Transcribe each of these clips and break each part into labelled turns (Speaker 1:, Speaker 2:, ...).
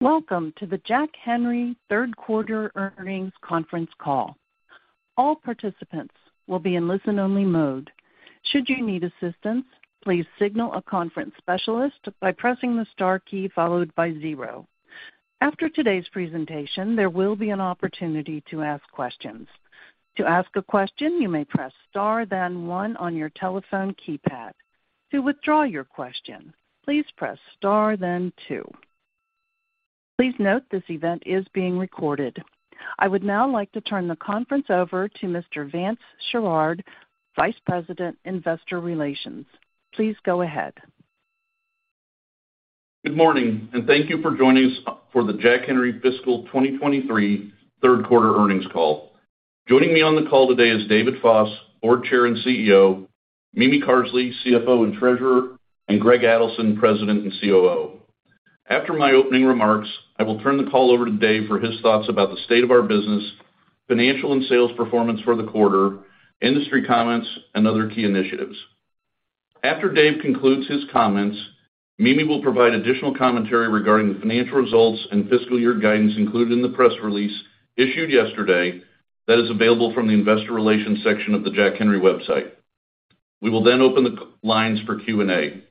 Speaker 1: Welcome to the Jack Henry Third Quarter earnings conference call. All participants will be in listen-only mode. Should you need assistance, please signal a conference specialist by pressing the star key followed by zero. After today's presentation, there will be an opportunity to ask questions. To ask a question, you may press star then one on your telephone keypad. To withdraw your question, please press star then two. Please note this event is being recorded. I would now like to turn the conference over to Mr. Vance Sherard, Vice President, Investor Relations. Please go ahead.
Speaker 2: Good morning, thank you for joining us for the Jack Henry Fiscal 2023 Third Quarter earnings call. Joining me on the call today is David Foss, Board Chair and CEO, Mimi Carsley, CFO and Treasurer, and Greg Adelson, President and COO. After my opening remarks, I will turn the call over to Dave for his thoughts about the state of our business, financial and sales performance for the quarter, industry comments, and other key initiatives. After Dave concludes his comments, Mimi will provide additional commentary regarding the financial results and fiscal year guidance included in the press release issued yesterday that is available from the investor relations section of the Jack Henry website. We will open the lines for Q&A.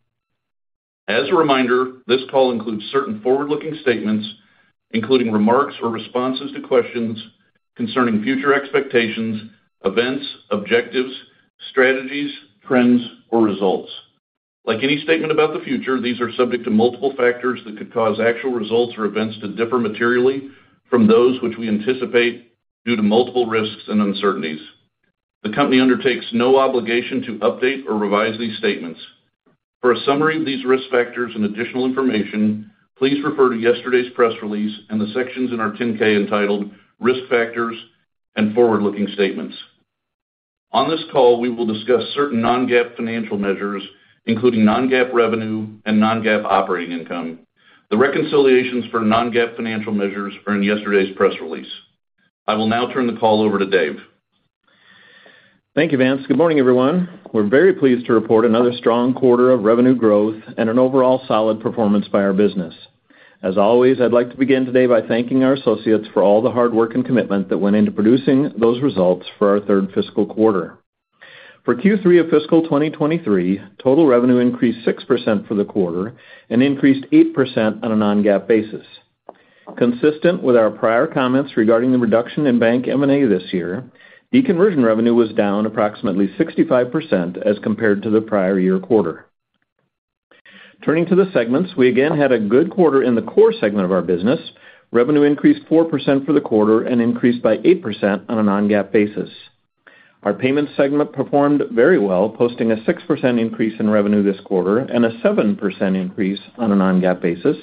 Speaker 2: As a reminder, this call includes certain forward-looking statements, including remarks or responses to questions concerning future expectations, events, objectives, strategies, trends, or results. Like any statement about the future, these are subject to multiple factors that could cause actual results or events to differ materially from those which we anticipate due to multiple risks and uncertainties. The company undertakes no obligation to update or revise these statements. For a summary of these risk factors and additional information, please refer to yesterday's press release and the sections in our 10-K entitled Risk Factors and Forward-Looking Statements. On this call, we will discuss certain non-GAAP financial measures, including non-GAAP revenue and non-GAAP operating income. The reconciliations for non-GAAP financial measures are in yesterday's press release. I will now turn the call over to Dave.
Speaker 3: Thank you, Vance. Good morning, everyone. We're very pleased to report another strong quarter of revenue growth and an overall solid performance by our business. As always, I'd like to begin today by thanking our associates for all the hard work and commitment that went into producing those results for our third fiscal quarter. For Q3 of fiscal 2023, total revenue increased 6% for the quarter and increased 8% on a non-GAAP basis. Consistent with our prior comments regarding the reduction in bank M&A this year, deconversion revenue was down approximately 65% as compared to the prior year quarter. Turning to the segments, we again had a good quarter in the core segment of our business. Revenue increased 4% for the quarter and increased by 8% on a non-GAAP basis. Our payments segment performed very well, posting a 6% increase in revenue this quarter and a 7% increase on a non-GAAP basis.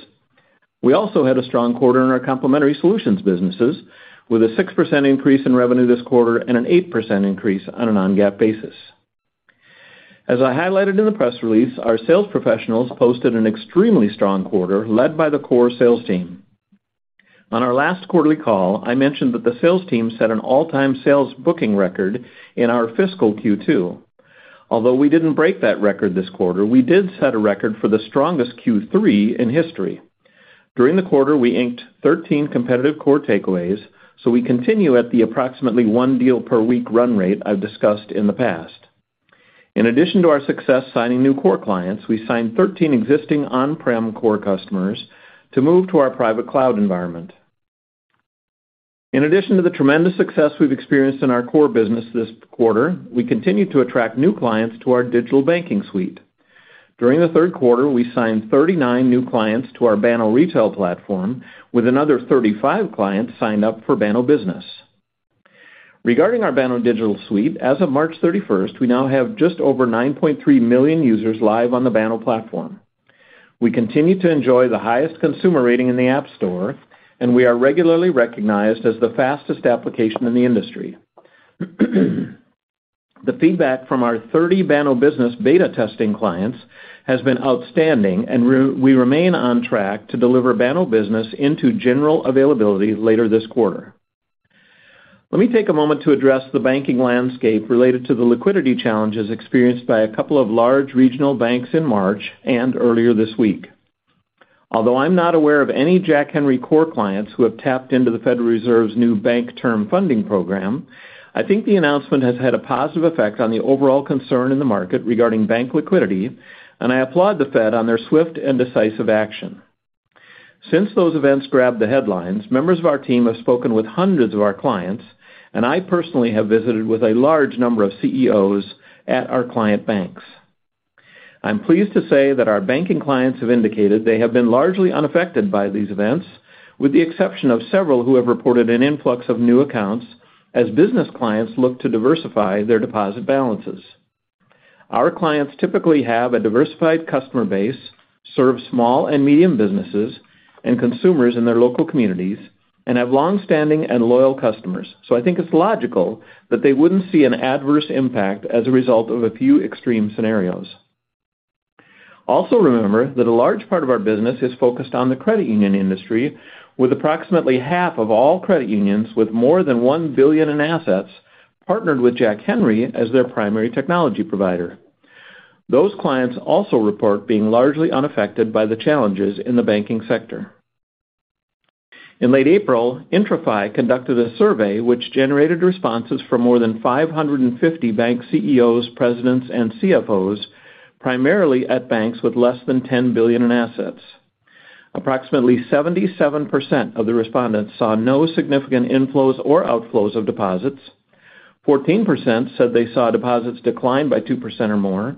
Speaker 3: We also had a strong quarter in our complementary solutions businesses with a 6% increase in revenue this quarter and an 8% increase on a non-GAAP basis. As I highlighted in the press release, our sales professionals posted an extremely strong quarter led by the core sales team. On our last quarterly call, I mentioned that the sales team set an all-time sales booking record in our fiscal Q2. Although we didn't break that record this quarter, we did set a record for the strongest Q3 in history. During the quarter, we inked 13 competitive core takeaways, so we continue at the approximately one deal per week run rate I've discussed in the past. In addition to our success signing new core clients, we signed 13 existing on-prem core customers to move to our private cloud environment. In addition to the tremendous success we've experienced in our core business this quarter, we continue to attract new clients to our digital banking suite. During the third quarter, we signed 39 new clients to our Banno Retail platform, with another 35 clients signed up for Banno Business. Regarding our Banno Digital Suite, as of March 31st, we now have just over 9.3 million users live on the Banno platform. We continue to enjoy the highest consumer rating in the App Store, we are regularly recognized as the fastest application in the industry. The feedback from our 30 Banno Business beta testing clients has been outstanding, we remain on track to deliver Banno Business into general availability later this quarter. Let me take a moment to address the banking landscape related to the liquidity challenges experienced by a couple of large regional banks in March and earlier this week. Although I'm not aware of any Jack Henry core clients who have tapped into the Federal Reserve's new Bank Term Funding Program, I think the announcement has had a positive effect on the overall concern in the market regarding bank liquidity, and I applaud the Fed on their swift and decisive action. Since those events grabbed the headlines, members of our team have spoken with hundreds of our clients, and I personally have visited with a large number of CEOs at our client banks. I'm pleased to say that our banking clients have indicated they have been largely unaffected by these events, with the exception of several who have reported an influx of new accounts as business clients look to diversify their deposit balances. Our clients typically have a diversified customer base, serve small and medium businesses and consumers in their local communities, and have long-standing and loyal customers. I think it's logical that they wouldn't see an adverse impact as a result of a few extreme scenarios. Also remember that a large part of our business is focused on the credit union industry, with approximately half of all credit unions with more than 1 billion in assets partnered with Jack Henry as their primary technology provider. Those clients also report being largely unaffected by the challenges in the banking sector. In late April, IntraFi conducted a survey which generated responses from more than 550 bank CEOs, presidents, and CFOs, primarily at banks with less than $10 billion in assets. Approximately 77% of the respondents saw no significant inflows or outflows of deposits. 14% said they saw deposits decline by 2% or more,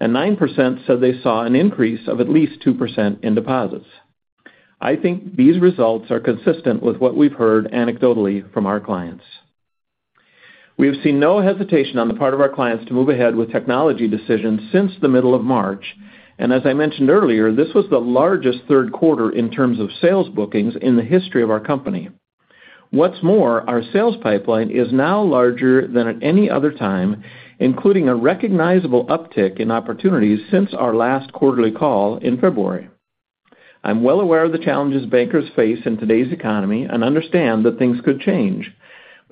Speaker 3: and 9% said they saw an increase of at least 2% in deposits. I think these results are consistent with what we've heard anecdotally from our clients. We have seen no hesitation on the part of our clients to move ahead with technology decisions since the middle of March. As I mentioned earlier, this was the largest third quarter in terms of sales bookings in the history of our company. What's more, our sales pipeline is now larger than at any other time, including a recognizable uptick in opportunities since our last quarterly call in February. I'm well aware of the challenges bankers face in today's economy and understand that things could change.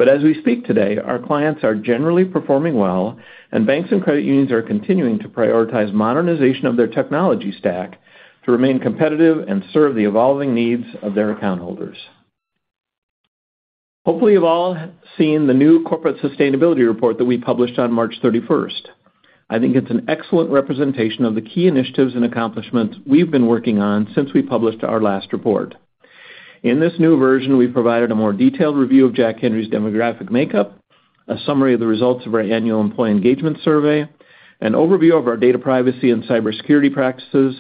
Speaker 3: As we speak today, our clients are generally performing well, and banks and credit unions are continuing to prioritize modernization of their technology stack to remain competitive and serve the evolving needs of their account holders. Hopefully, you've all seen the new corporate sustainability report that we published on March 31st. I think it's an excellent representation of the key initiatives and accomplishments we've been working on since we published our last report. In this new version, we've provided a more detailed review of Jack Henry's demographic makeup, a summary of the results of our annual employee engagement survey, an overview of our data privacy and cybersecurity practices,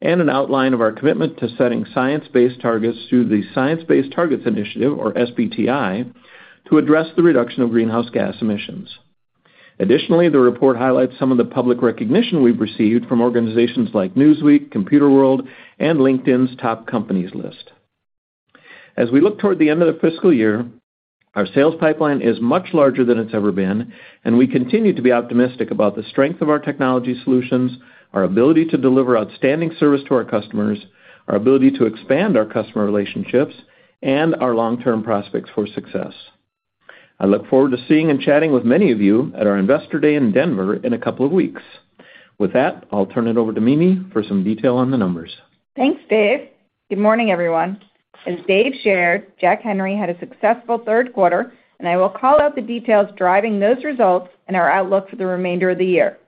Speaker 3: and an outline of our commitment to setting science-based targets through the Science Based Targets initiative or SBTi to address the reduction of greenhouse gas emissions. The report highlights some of the public recognition we've received from organizations like Newsweek, Computerworld, and LinkedIn's top companies list. As we look toward the end of the fiscal year, our sales pipeline is much larger than it's ever been, and we continue to be optimistic about the strength of our technology solutions, our ability to deliver outstanding service to our customers, our ability to expand our customer relationships, and our long-term prospects for success. I look forward to seeing and chatting with many of you at our Investor Day in Denver in a couple of weeks. With that, I'll turn it over to Mimi for some detail on the numbers.
Speaker 4: Thanks, Dave. Good morning, everyone. As Dave shared, Jack Henry had a successful third quarter, and I will call out the details driving those results and our outlook for the remainder of the year.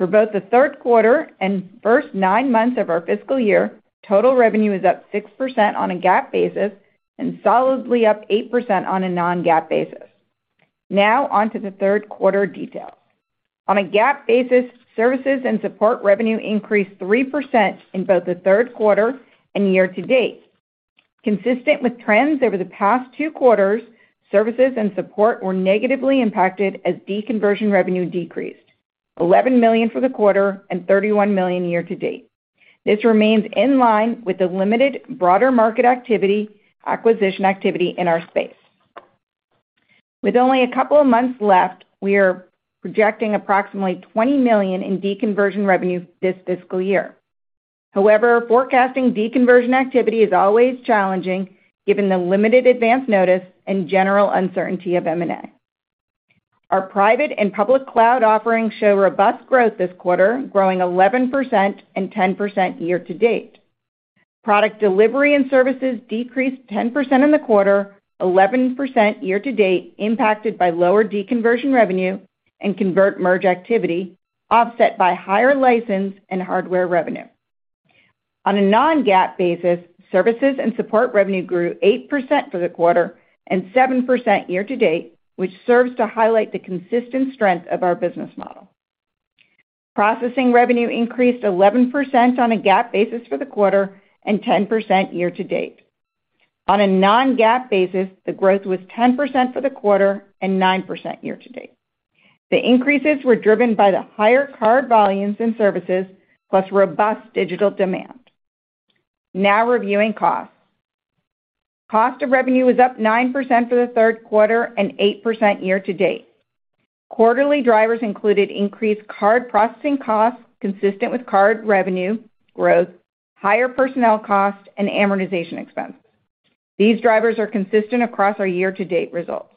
Speaker 4: For both the third quarter and first nine months of our fiscal year, total revenue is up 6% on a GAAP basis and solidly up 8% on a non-GAAP basis. On to the third quarter details. On a GAAP basis, services and support revenue increased 3% in both the third quarter and year to date. Consistent with trends over the past two quarters, services and support were negatively impacted as deconversion revenue decreased: $11 million for the quarter and $31 million year to date. This remains in line with the limited broader market activity, acquisition activity in our space. With only a couple of months left, we are projecting approximately $20 million in deconversion revenue this fiscal year. However, forecasting deconversion activity is always challenging given the limited advance notice and general uncertainty of M&A. Our private and public cloud offerings show robust growth this quarter, growing 11% and 10% year-to-date. Product delivery and services decreased 10% in the quarter, 11% year-to-date, impacted by lower deconversion revenue and convert merge activity, offset by higher license and hardware revenue. On a non-GAAP basis, services and support revenue grew 8% for the quarter and 7% year-to-date, which serves to highlight the consistent strength of our business model. Processing revenue increased 11% on a GAAP basis for the quarter and 10% year-to-date. On a non-GAAP basis, the growth was 10% for the quarter and 9% year-to-date. The increases were driven by the higher card volumes in services, plus robust digital demand. Now reviewing costs. Cost of revenue was up 9% for the third quarter and 8% year-to-date. Quarterly drivers included increased card processing costs, consistent with card revenue growth, higher personnel costs, and amortization expense. These drivers are consistent across our year-to-date results.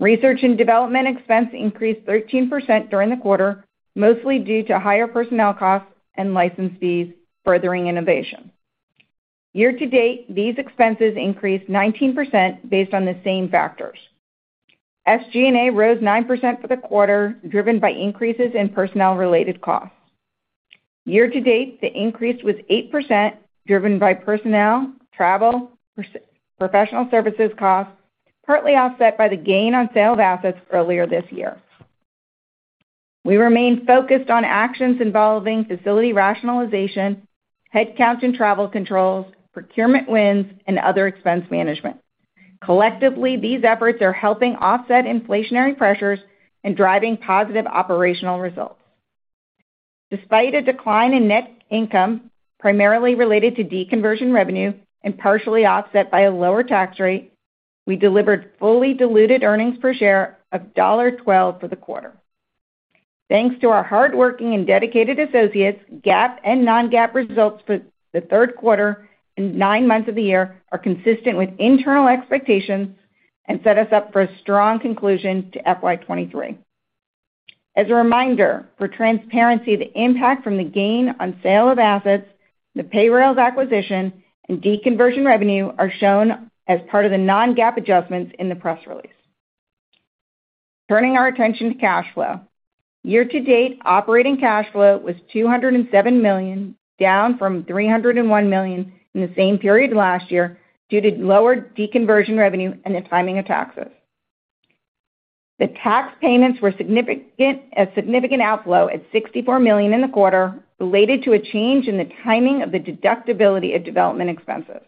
Speaker 4: Research and development expense increased 13% during the quarter, mostly due to higher personnel costs and license fees furthering innovation. Year-to-date, these expenses increased 19% based on the same factors. SG&A rose 9% for the quarter, driven by increases in personnel-related costs. Year to date, the increase was 8%, driven by personnel, travel, professional services costs, partly offset by the gain on sale of assets earlier this year. We remain focused on actions involving facility rationalization, headcount and travel controls, procurement wins, and other expense management. Collectively, these efforts are helping offset inflationary pressures and driving positive operational results. Despite a decline in net income, primarily related to deconversion revenue and partially offset by a lower tax rate, we delivered fully diluted earnings per share of $1.12 for the quarter. Thanks to our hardworking and dedicated associates, GAAP and non-GAAP results for the third quarter and nine months of the year are consistent with internal expectations. Set us up for a strong conclusion to FY23. As a reminder, for transparency, the impact from the gain on sale of assets, the Payrailz acquisition, and deconversion revenue are shown as part of the non-GAAP adjustments in the press release. Turning our attention to cash flow. Year-to-date operating cash flow was $207 million, down from $301 million in the same period last year due to lower deconversion revenue and the timing of taxes. The tax payments were significant, a significant outflow at $64 million in the quarter related to a change in the timing of the deductibility of development expenses.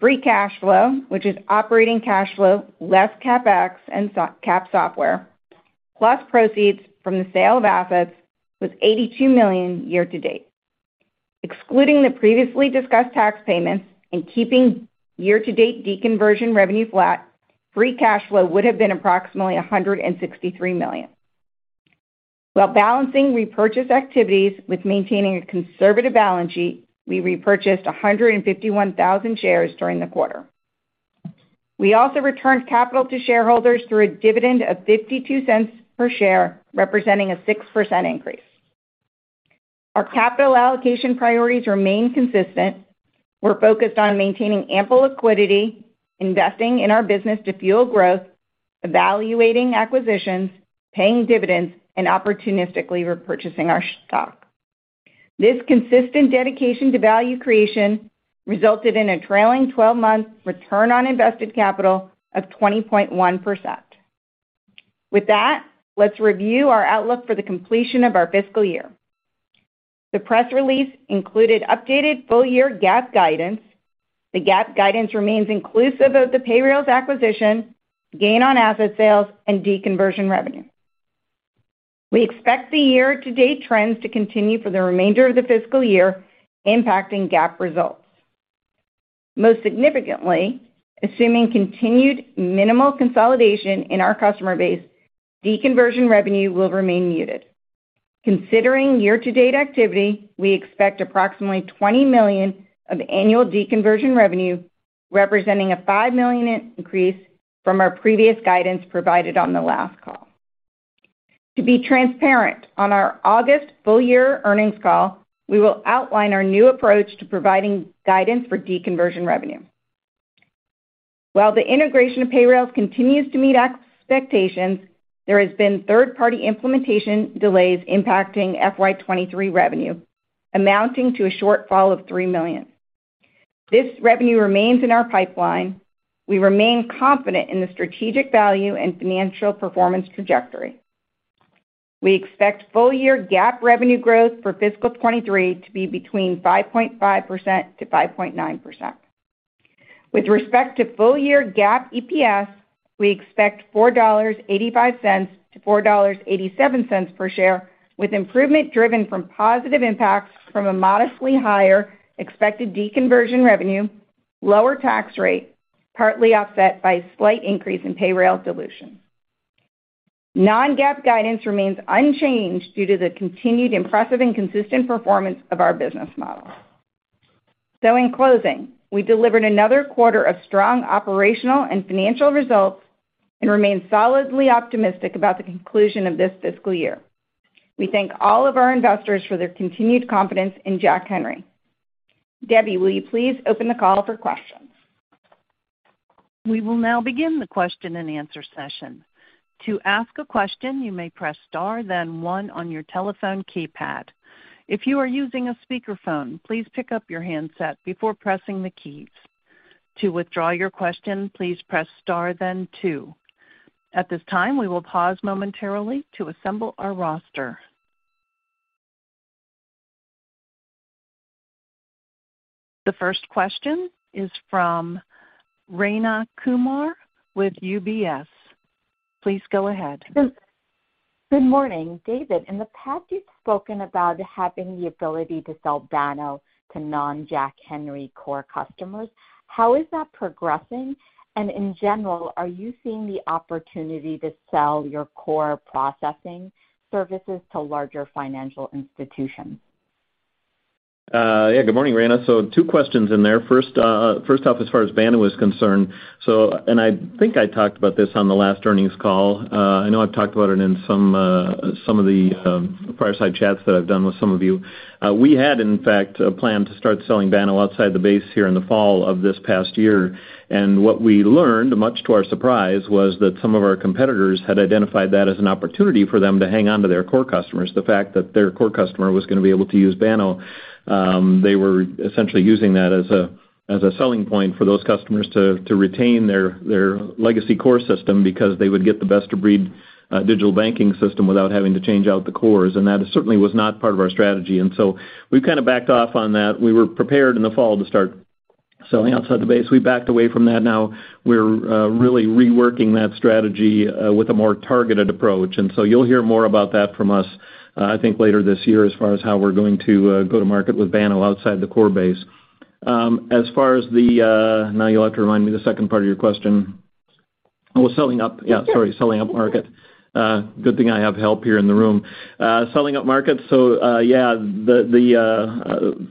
Speaker 4: Free Cash Flow, which is operating cash flow, less CapEx and capitalized software, plus proceeds from the sale of assets, was $82 million year-to-date. Excluding the previously discussed tax payments and keeping year-to-date deconversion revenue flat, Free Cash Flow would have been approximately $163 million. While balancing repurchase activities with maintaining a conservative balance sheet, we repurchased 151,000 shares during the quarter. We also returned capital to shareholders through a dividend of $0.52 per share, representing a 6% increase. Our capital allocation priorities remain consistent. We're focused on maintaining ample liquidity, investing in our business to fuel growth, evaluating acquisitions, paying dividends, and opportunistically repurchasing our stock. This consistent dedication to value creation resulted in a trailing 12-month return on invested capital of 20.1%. With that, let's review our outlook for the completion of our fiscal year. The press release included updated full-year GAAP guidance. The GAAP guidance remains inclusive of the Payrailz acquisition, gain on asset sales, and deconversion revenue. We expect the year-to-date trends to continue for the remainder of the fiscal year, impacting GAAP results. Most significantly, assuming continued minimal consolidation in our customer base, deconversion revenue will remain muted. Considering year-to-date activity, we expect approximately $20 million of annual de-conversion revenue, representing a $5 million increase from our previous guidance provided on the last call. To be transparent, on our August full-year earnings call, we will outline our new approach to providing guidance for deconversion revenue. While the integration of Payrailz continues to meet expectations, there has been third-party implementation delays impacting FY23 revenue, amounting to a shortfall of $3 million. This revenue remains in our pipeline. We remain confident in the strategic value and financial performance trajectory. We expect full-year GAAP revenue growth for fiscal 2023 to be between 5.5%-5.9%. With respect to full-year GAAP EPS, we expect $4.85-$4.87 per share, with improvement driven from positive impacts from a modestly higher expected deconversion revenue, lower tax rate, partly offset by a slight increase in Payrailz dilution. Non-GAAP guidance remains unchanged due to the continued impressive and consistent performance of our business model. In closing, we delivered another quarter of strong operational and financial results and remain solidly optimistic about the conclusion of this fiscal year. We thank all of our investors for their continued confidence in Jack Henry. Debbie, will you please open the call for questions?
Speaker 1: We will now begin the question-and-answer session. To ask a question, you may press star then one on your telephone keypad. If you are using a speakerphone, please pick up your handset before pressing the keys. To withdraw your question, please press star then two. At this time, we will pause momentarily to assemble our roster. The first question is from Rayna Kumar with UBS. Please go ahead.
Speaker 5: Good morning. David, in the past, you've spoken about having the ability to sell Banno to non-Jack Henry core customers. How is that progressing? In general, are you seeing the opportunity to sell your core processing services to larger financial institutions?
Speaker 3: Yeah. Good morning, Rayna. Two questions in there. First, first off, as far as Banno is concerned, I think I talked about this on the last earnings call. I know I've talked about it in some of the, fireside chats that I've done with some of you. We had in fact planned to start selling Banno outside the base here in the fall of this past year. What we learned, much to our surprise, was that some of our competitors had identified that as an opportunity for them to hang on to their core customers. The fact that their core customer was going to be able to use Banno, they were essentially using that as a selling point for those customers to retain their legacy core system because they would get the best-of-breed digital banking system without having to change out the cores. That certainly was not part of our strategy. So we've kind of backed off on that. We were prepared in the fall to start selling outside the base. We backed away from that. Now we're really reworking that strategy with a more targeted approach. So you'll hear more about that from us, I think later this year as far as how we're going to go to market with Banno outside the core base. As far as the... Now you'll have to remind me the second part of your question. Selling up market. Sorry, selling up market. Good thing I have help here in the room. Selling up market.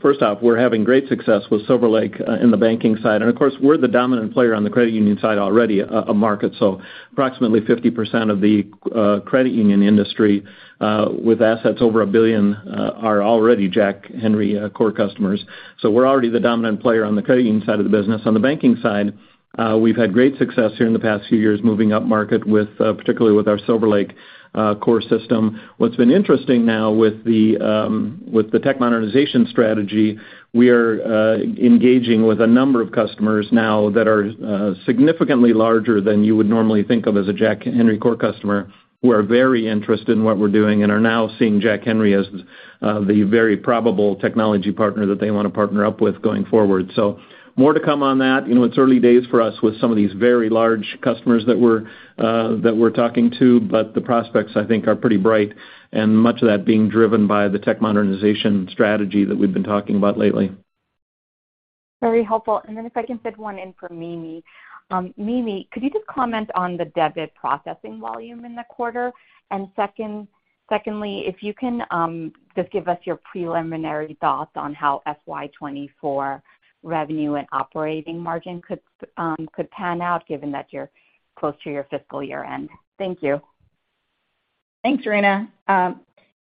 Speaker 3: First off, we're having great success with SilverLake System in the banking side. And of course, we're the dominant player on the credit union side already. Approximately 50% of the credit union industry with assets over $1 billion are already Jack Henry core customers. So we're already the dominant player on the credit union side of the business. On the banking side, we've had great success here in the past few years moving up market with particularly with our SilverLake System core system What's been interesting now with the with the tech modernization strategy, we are engaging with a number of customers now that are significantly larger than you would normally think of as a Jack Henry core customer, who are very interested in what we're doing and are now seeing Jack Henry as the very probable technology partner that they wanna partner up with going forward. More to come on that. You know, it's early days for us with some of these very large customers that we're that we're talking to. The prospects, I think, are pretty bright, and much of that being driven by the tech modernization strategy that we've been talking about lately.
Speaker 5: Very helpful. If I can fit one in for Mimi. Mimi, could you just comment on the debit processing volume in the quarter? Secondly, if you can, just give us your preliminary thoughts on how FY24 revenue and operating margin could pan out given that you're close to your fiscal year-end. Thank you.
Speaker 4: Thanks, Rayna.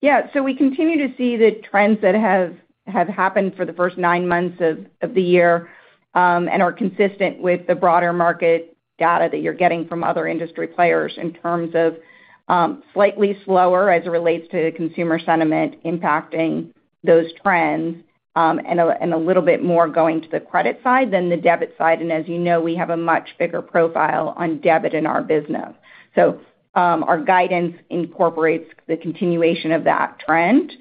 Speaker 4: Yeah, we continue to see the trends that have happened for the first nine months of the year, and are consistent with the broader market data that you're getting from other industry players in terms of slightly slower as it relates to consumer sentiment impacting those trends, and a little bit more going to the credit side than the debit side. As you know, we have a much bigger profile on debit in our business. Our guidance incorporates the continuation of that trend.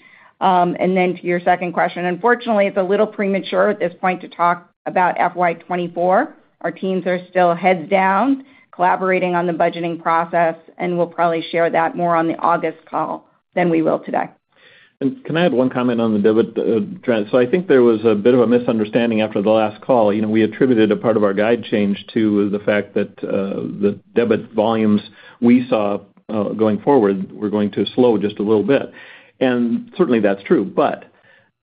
Speaker 4: To your second question, unfortunately, it's a little premature at this point to talk about FY24. Our teams are still heads down collaborating on the budgeting process, we'll probably share that more on the August call than we will today.
Speaker 3: Can I add one comment on the debit trend? I think there was a bit of a misunderstanding after the last call. You know, we attributed a part of our guide change to the fact that the debit volumes we saw going forward were going to slow just a little bit. Certainly, that's true, but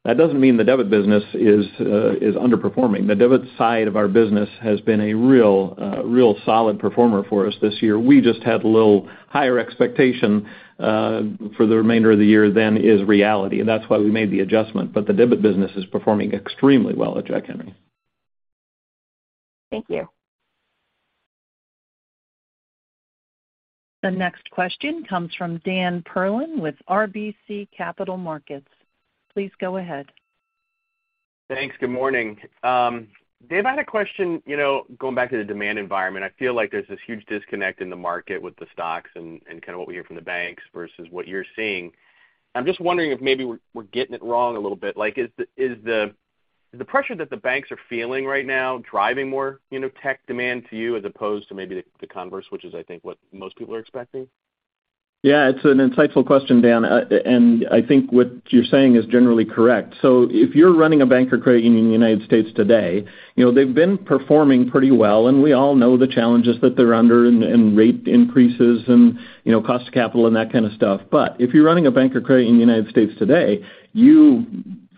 Speaker 3: that doesn't mean the debit business is underperforming. The debit side of our business has been a real solid performer for us this year. We just had a little higher expectation for the remainder of the year than is reality. That's why we made the adjustment, but the debit business is performing extremely well at Jack Henry.
Speaker 5: Thank you.
Speaker 1: The next question comes from Dan Perlin with RBC Capital Markets. Please go ahead.
Speaker 6: Thanks. Good morning. Dave, I had a question, you know, going back to the demand environment. I feel like there's this huge disconnect in the market with the stocks and kinda what we hear from the banks versus what you're seeing. I'm just wondering if maybe we're getting it wrong a little bit. Like, is the pressure that the banks are feeling right now driving more, you know, tech demand to you as opposed to maybe the converse, which is, I think, what most people are expecting?
Speaker 3: Yeah, it's an insightful question, Dan. And I think what you're saying is generally correct. If you're running a bank or credit union in the United States today, you know, they've been performing pretty well, and we all know the challenges that they're under and rate increases and, you know, cost of capital and that kind of stuff. If you're running a bank or credit union in the United States today, you...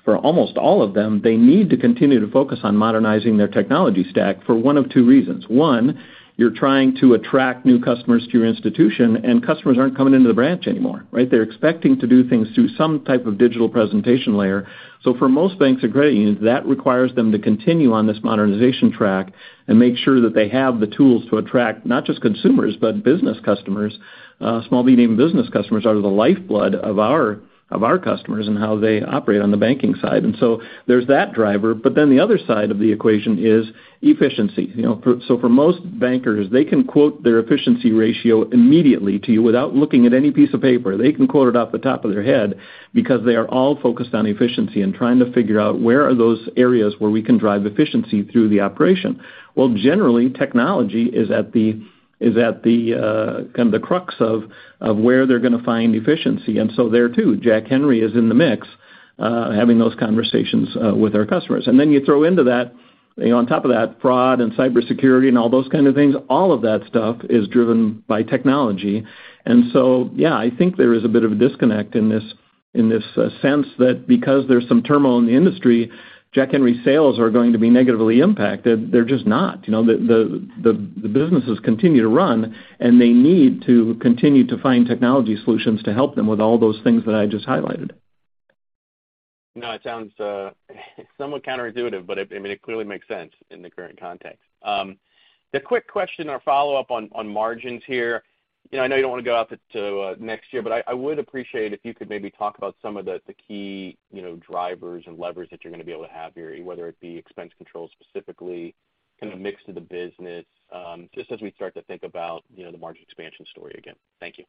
Speaker 3: for almost all of them, they need to continue to focus on modernizing their technology stack for one of two reasons. One, you're trying to attract new customers to your institution, and customers aren't coming into the branch anymore, right? They're expecting to do things through some type of digital presentation layer. For most banks or credit unions, that requires them to continue on this modernization track and make sure that they have the tools to attract not just consumers, but business customers. Small to medium business customers are the lifeblood of our customers and how they operate on the banking side. There's that driver, the other side of the equation is efficiency. You know, for most bankers, they can quote their efficiency ratio immediately to you without looking at any piece of paper. They can quote it off the top of their head because they are all focused on efficiency and trying to figure out where are those areas where we can drive efficiency through the operation. Generally, technology is at the kind of the crux of where they're gonna find efficiency. There too, Jack Henry is in the mix, having those conversations with our customers. Then you throw into that, you know, on top of that, fraud and cybersecurity and all those kind of things, all of that stuff is driven by technology. Yeah, I think there is a bit of a disconnect in this, in this sense that because there's some turmoil in the industry, Jack Henry sales are going to be negatively impacted. They're just not. You know, the businesses continue to run, and they need to continue to find technology solutions to help them with all those things that I just highlighted.
Speaker 6: It sounds somewhat counterintuitive, but I mean, it clearly makes sense in the current context. The quick question or follow-up on margins here, you know, I know you don't wanna go out to next year, but I would appreciate if you could maybe talk about some of the key, you know, drivers and levers that you're gonna be able to have here, whether it be expense controls specifically, kind of mix of the business, just as we start to think about, you know, the margin expansion story again. Thank you.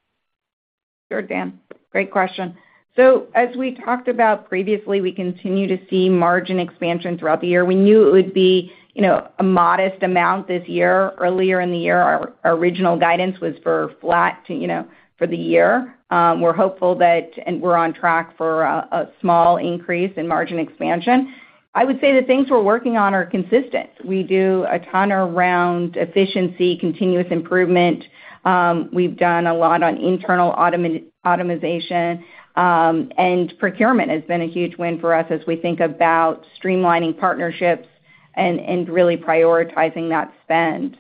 Speaker 4: Sure, Dan. Great question. As we talked about previously, we continue to see margin expansion throughout the year. We knew it would be, you know, a modest amount this year. Earlier in the year, our original guidance was for flat to, you know, for the year. We're hopeful that, and we're on track for a small increase in margin expansion. I would say the things we're working on are consistent. We do a ton around efficiency, continuous improvement. We've done a lot on internal automization, and procurement has been a huge win for us as we think about streamlining partnerships and really prioritizing that spend.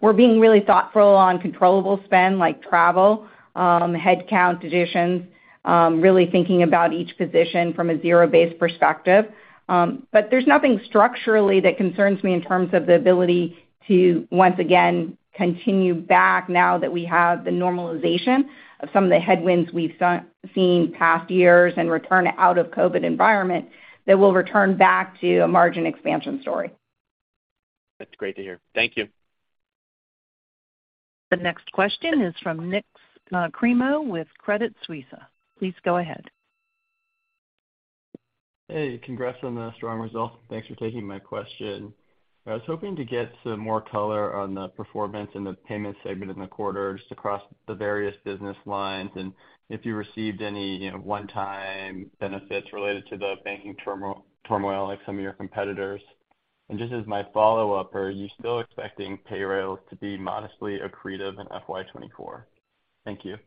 Speaker 4: We're being really thoughtful on controllable spend like travel, headcount additions, really thinking about each position from a zero-based perspective. There's nothing structurally that concerns me in terms of the ability to, once again, continue back now that we have the normalization of some of the headwinds we've seen past years and return out of COVID environment that we'll return back to a margin expansion story.
Speaker 6: That's great to hear. Thank you.
Speaker 1: The next question is from Nik Cremo with Credit Suisse. Please go ahead.
Speaker 7: Hey, congrats on the strong results. Thanks for taking my question. I was hoping to get some more color on the performance in the payment segment in the quarter just across the various business lines and if you received any, you know, one-time benefits related to the banking turmoil like some of your competitors. Just as my follow-up, are you still expecting Payrailz to be modestly accretive in FY24? Thank you.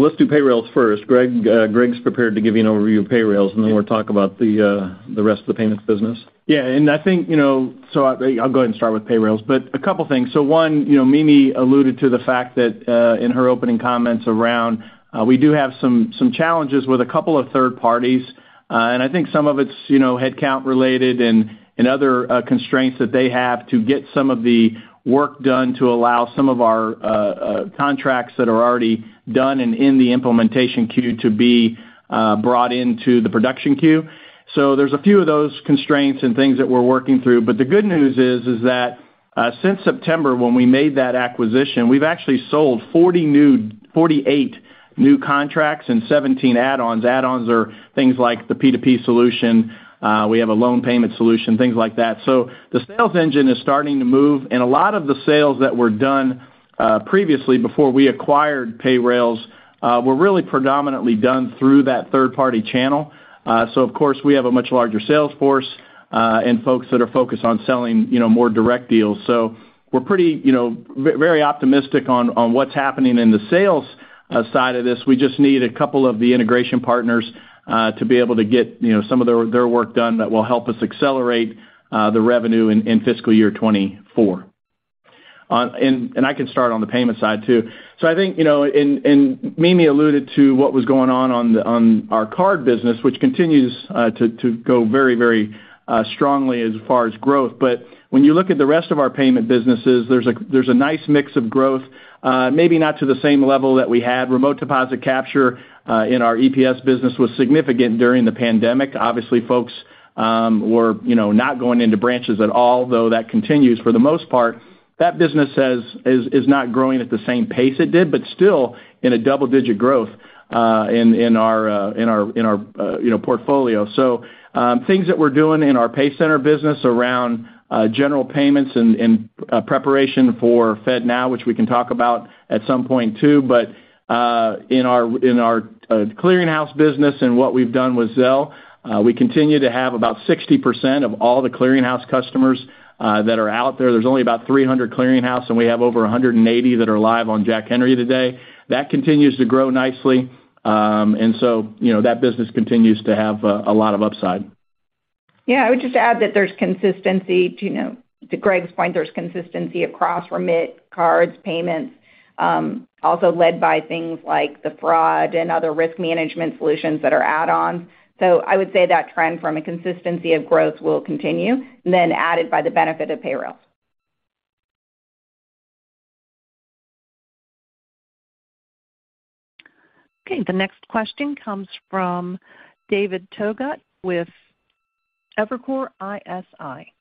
Speaker 3: Let's do Payrailz first. Greg's prepared to give you an overview of Payrailz, and then we'll talk about the rest of the payments business.
Speaker 8: I think, you know, so I'll go ahead and start with Payrailz. A couple things. One, you know, Mimi alluded to the fact that, in her opening comments around, we do have some challenges with a couple of third parties, and I think some of it's, you know, headcount related and other constraints that they have to get some of the work done to allow some of our contracts that are already done and in the implementation queue to be brought into the production queue. There's a few of those constraints and things that we're working through. The good news is that, since September when we made that acquisition, we've actually sold 48 new contracts and 17 add-ons. Add-ons are things like the P2P solution, we have a loan payment solution, things like that. The sales engine is starting to move, and a lot of the sales that were done, previously before we acquired Payrailz, were really predominantly done through that third-party channel. Of course, we have a much larger sales force, and folks that are focused on selling, you know, more direct deals. We're pretty, you know, very optimistic on what's happening in the sales, side of this. We just need a couple of the integration partners, to be able to get, you know, some of their work done that will help us accelerate, the revenue in FY24. I can start on the payment side too. I think, you know, Mimi alluded to what was going on on our card business, which continues to go very, very strongly as far as growth. When you look at the rest of our payment businesses, there's a nice mix of growth, maybe not to the same level that we had. Remote deposit capture in our EPS business was significant during the pandemic. Obviously, folks, you know, not going into branches at all, though that continues for the most part. That business is not growing at the same pace it did, but still in a double-digit growth in our, you know, portfolio. Things that we're doing in our PayCenter business around general payments and preparation for FedNow, which we can talk about at some point too. In our The Clearing House business and what we've done with Zelle, we continue to have about 60% of all the The Clearing House customers that are out there. There's only about 300 The Clearing House, and we have over 180 that are live on Jack Henry today. That continues to grow nicely. You know, that business continues to have a lot of upside.
Speaker 4: Yeah. I would just add that there's consistency to, you know, to Greg's point, there's consistency across remit, cards, payments, also led by things like the fraud and other risk management solutions that are add-ons. I would say that trend from a consistency of growth will continue and then added by the benefit of payroll.
Speaker 1: Okay. The next question comes from David Togut with Evercore ISI.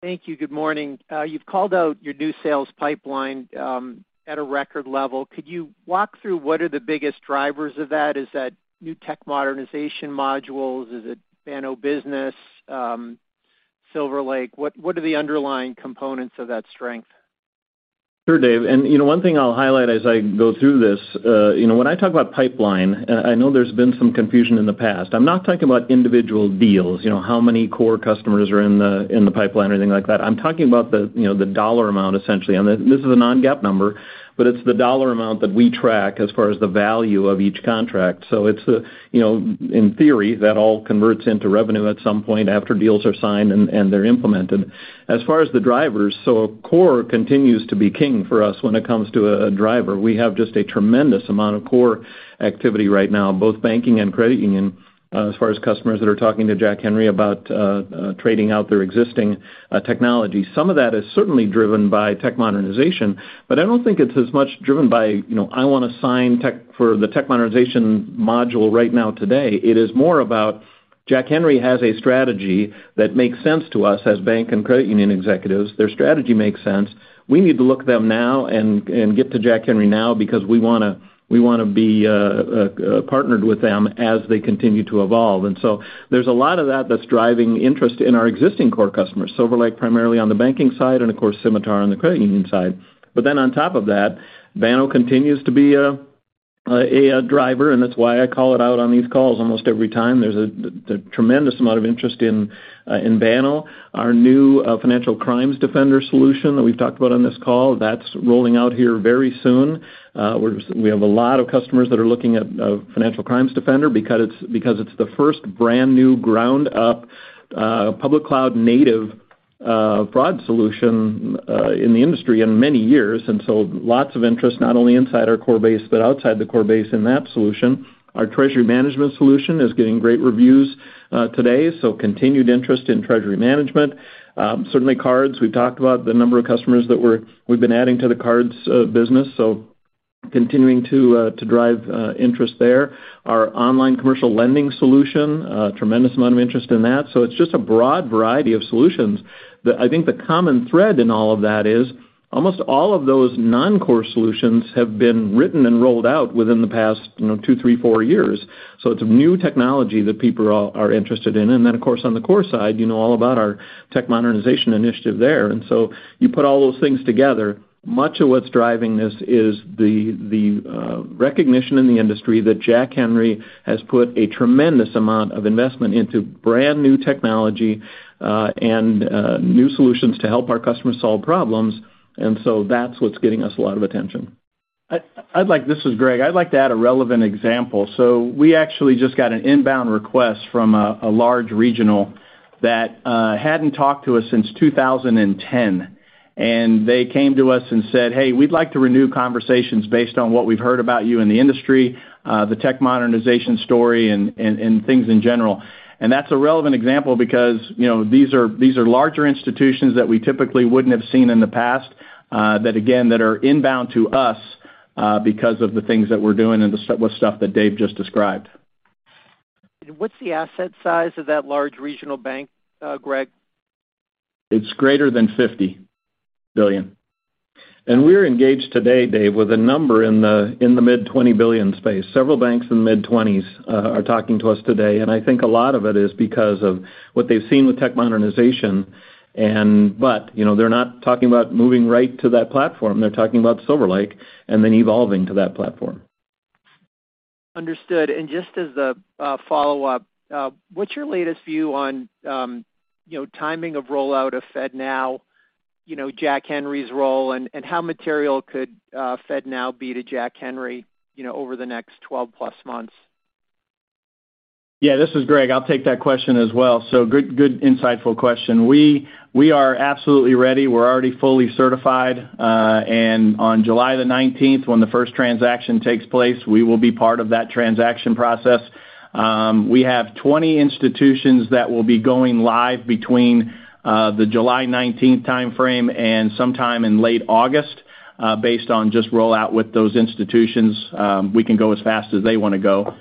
Speaker 9: Thank you. Good morning. You've called out your new sales pipeline at a record level. Could you walk through what are the biggest drivers of that? Is that new tech modernization modules? Is it Banno Business? SilverLake System. What, what are the underlying components of that strength?
Speaker 3: Sure, Dave. You know, one thing I'll highlight as I go through this, you know, when I talk about pipeline, I know there's been some confusion in the past. I'm not talking about individual deals, you know, how many core customers are in the, in the pipeline or anything like that. I'm talking about the, you know, the dollar amount, essentially. This is a non-GAAP number, but it's the dollar amount that we track as far as the value of each contract. It's, you know, in theory, that all converts into revenue at some point after deals are signed and they're implemented. As far as the drivers, core continues to be king for us when it comes to a driver. We have just a tremendous amount of core activity right now, both banking and credit union, as far as customers that are talking to Jack Henry about trading out their existing technology. Some of that is certainly driven by tech modernization, I don't think it's as much driven by, you know, I wanna sign for the tech modernization module right now today. It is more about Jack Henry has a strategy that makes sense to us as bank and credit union executives. Their strategy makes sense. We need to look at them now and get to Jack Henry now because we wanna be partnered with them as they continue to evolve. There's a lot of that that's driving interest in our existing core customers. SilverLake, primarily on the banking side, and of course, Symitar on the credit union side. On top of that, Banno continues to be a driver, and that's why I call it out on these calls almost every time. There's a tremendous amount of interest in Banno. Our new Financial Crimes Defender solution that we've talked about on this call, that's rolling out here very soon. We have a lot of customers that are looking at Financial Crimes Defender because it's the first brand-new ground-up, public cloud native, fraud solution in the industry in many years. Lots of interest, not only inside our core base, but outside the core base in that solution. Our Treasury Management solution is getting great reviews today, so continued interest in Treasury Management. Certainly cards, we've talked about the number of customers that we've been adding to the cards, business, continuing to drive interest there. Our online commercial lending solution, tremendous amount of interest in that. It's just a broad variety of solutions that I think the common thread in all of that is almost all of those non-core solutions have been written and rolled out within the past, you know, two, three, four years. It's new technology that people are interested in. Then, of course, on the core side, you know all about our tech modernization initiative there. You put all those things together, much of what's driving this is the recognition in the industry that Jack Henry has put a tremendous amount of investment into brand-new technology and new solutions to help our customers solve problems. That's what's getting us a lot of attention.
Speaker 8: I'd like. This is Greg. I'd like to add a relevant example. We actually just got an inbound request from a large regional that hadn't talked to us since 2010. They came to us and said, "Hey, we'd like to renew conversations based on what we've heard about you in the industry, the tech modernization story and things in general." That's a relevant example because, you know, these are larger institutions that we typically wouldn't have seen in the past, that again, are inbound to us because of the things that we're doing and the stuff that Dave just described.
Speaker 9: What's the asset size of that large regional bank, Greg?
Speaker 8: It's greater than $50 billion. We're engaged today, Dave, with a number in the mid $20 billion space. Several banks in the mid-20s are talking to us today, and I think a lot of it is because of what they've seen with tech modernization. You know, they're not talking about moving right to that platform. They're talking about SilverLake System and then evolving to that platform.
Speaker 9: Understood. Just as a follow-up, what's your latest view on, you know, timing of rollout of FedNow, you know, Jack Henry's role, and how material could FedNow be to Jack Henry, you know, over the next 12+ months?
Speaker 8: Yeah, this is Greg. I'll take that question as well. Good, good, insightful question. We are absolutely ready. We're already fully certified. On July the 19th, when the first transaction takes place, we will be part of that transaction process. We have 20 institutions that will be going live between the July 19th timeframe and sometime in late August, based on just rollout with those institutions. We can go as fast as they wanna go.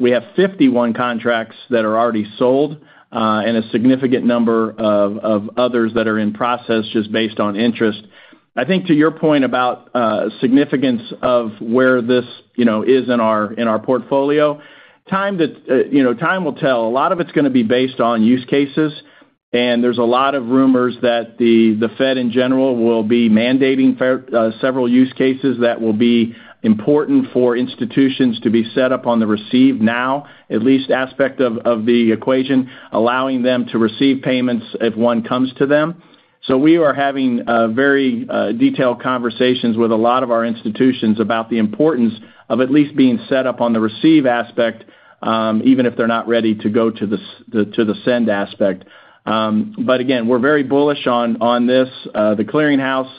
Speaker 8: We have 51 contracts that are already sold, and a significant number of others that are in process just based on interest. I think to your point about significance of where this, you know, is in our portfolio, time will tell. A lot of it's gonna be based on use cases. There's a lot of rumors that the Fed in general will be mandating several use cases that will be important for institutions to be set up on the receive now, at least aspect of the equation, allowing them to receive payments if one comes to them. We are having very detailed conversations with a lot of our institutions about the importance of at least being set up on the receive aspect, even if they're not ready to go to the send aspect. Again, we're very bullish on this. The Clearing House,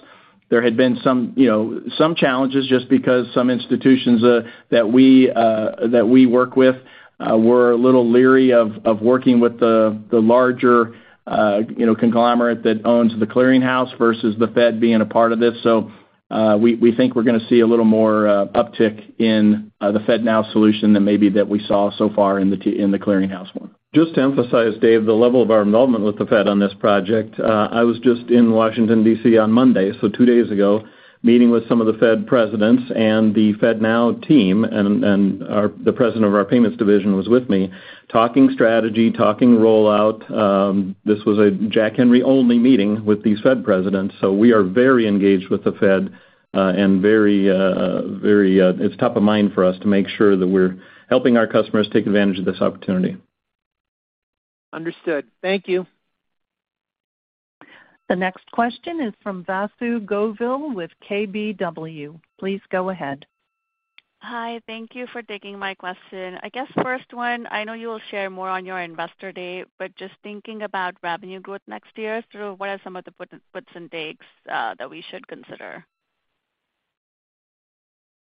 Speaker 8: there had been some, you know, some challenges just because some institutions that we work with were a little leery of working with the larger, you know, conglomerate that owns The Clearing House versus the Fed being a part of this. We, we think we're gonna see a little more uptick in the FedNow solution than maybe that we saw so far in The Clearing House one.
Speaker 3: Just to emphasize, Dave, the level of our involvement with the Fed on this project, I was just in Washington, D.C. on Monday, so two days ago, meeting with some of the Fed presidents and the FedNow team, and the president of our payments division was with me, talking strategy, talking rollout. This was a Jack Henry only meeting with these Fed presidents. We are very engaged with the Fed, and very, very... It's top of mind for us to make sure that we're helping our customers take advantage of this opportunity.
Speaker 9: Understood. Thank you.
Speaker 1: The next question is from Vasu Govil with KBW. Please go ahead.
Speaker 10: Hi. Thank you for taking my question. I guess first one, I know you will share more on your investor date, but just thinking about revenue growth next year, sort of what are some of the puts and takes that we should consider?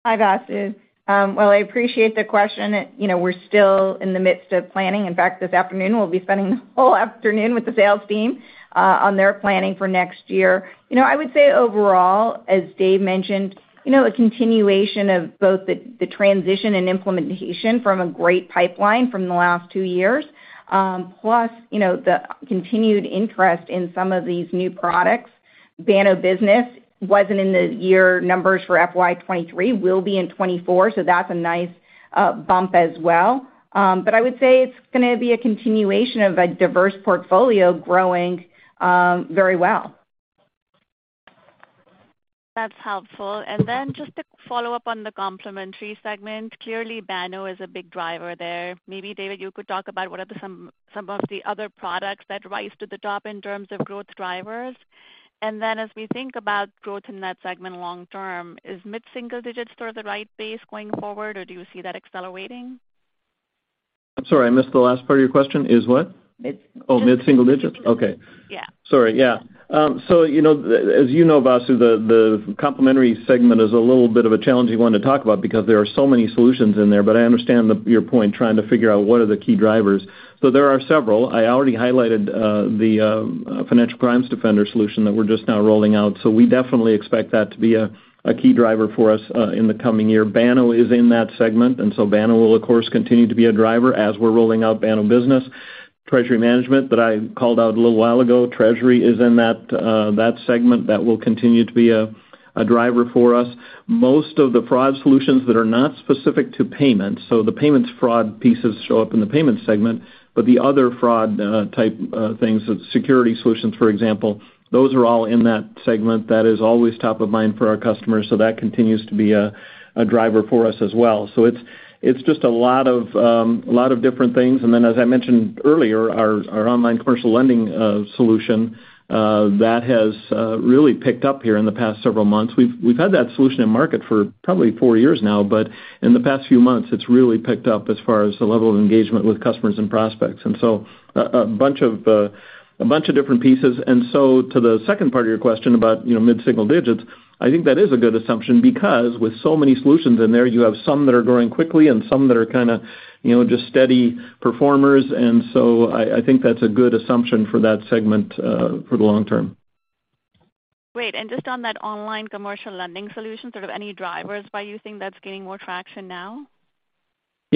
Speaker 4: Hi, Vasu. Well, I appreciate the question. You know, we're still in the midst of planning. In fact, this afternoon we'll be spending the whole afternoon with the sales team on their planning for next year. You know, I would say overall, as Dave mentioned, you know, a continuation of both the transition and implementation from a great pipeline from the last two years, plus, you know, the continued interest in some of these new products. Banno Business wasn't in the year numbers for FY23, will be in 24, so that's a nice bump as well. I would say it's gonna be a continuation of a diverse portfolio growing very well.
Speaker 10: That's helpful. Just to follow up on the complementary segment, clearly Banno is a big driver there. Maybe David, you could talk about what are some of the other products that rise to the top in terms of growth drivers. As we think about growth in that segment long term, is mid-single digits sort of the right base going forward, or do you see that accelerating?
Speaker 3: I'm sorry, I missed the last part of your question. Is what?
Speaker 10: Mid-
Speaker 3: Oh, mid-single digits. Okay.
Speaker 10: Yeah.
Speaker 3: Sorry. Yeah. You know, Vasu, the complementary segment is a little bit of a challenging one to talk about because there are so many solutions in there. I understand your point, trying to figure out what are the key drivers. There are several. I already highlighted the Financial Crimes Defender solution that we're just now rolling out, so we definitely expect that to be a key driver for us in the coming year. Banno is in that segment, Banno will, of course, continue to be a driver as we're rolling out Banno Business. Treasury Management that I called out a little while ago, Treasury is in that segment. That will continue to be a driver for us. Most of the fraud solutions that are not specific to payments, so the payments fraud pieces show up in the payments segment, but the other fraud type things, security solutions, for example, those are all in that segment. That is always top of mind for our customers, so that continues to be a driver for us as well. It's just a lot of different things. As I mentioned earlier, our online commercial lending solution that has really picked up here in the past several months. We've had that solution in market for probably four years now, but in the past few months, it's really picked up as far as the level of engagement with customers and prospects. A bunch of different pieces. To the second part of your question about, you know, mid-single digits, I think that is a good assumption because with so many solutions in there, you have some that are growing quickly and some that are kinda, you know, just steady performers, and so I think that's a good assumption for that segment for the long term.
Speaker 10: Great. Just on that online commercial lending solution, sort of any drivers why you think that's gaining more traction now?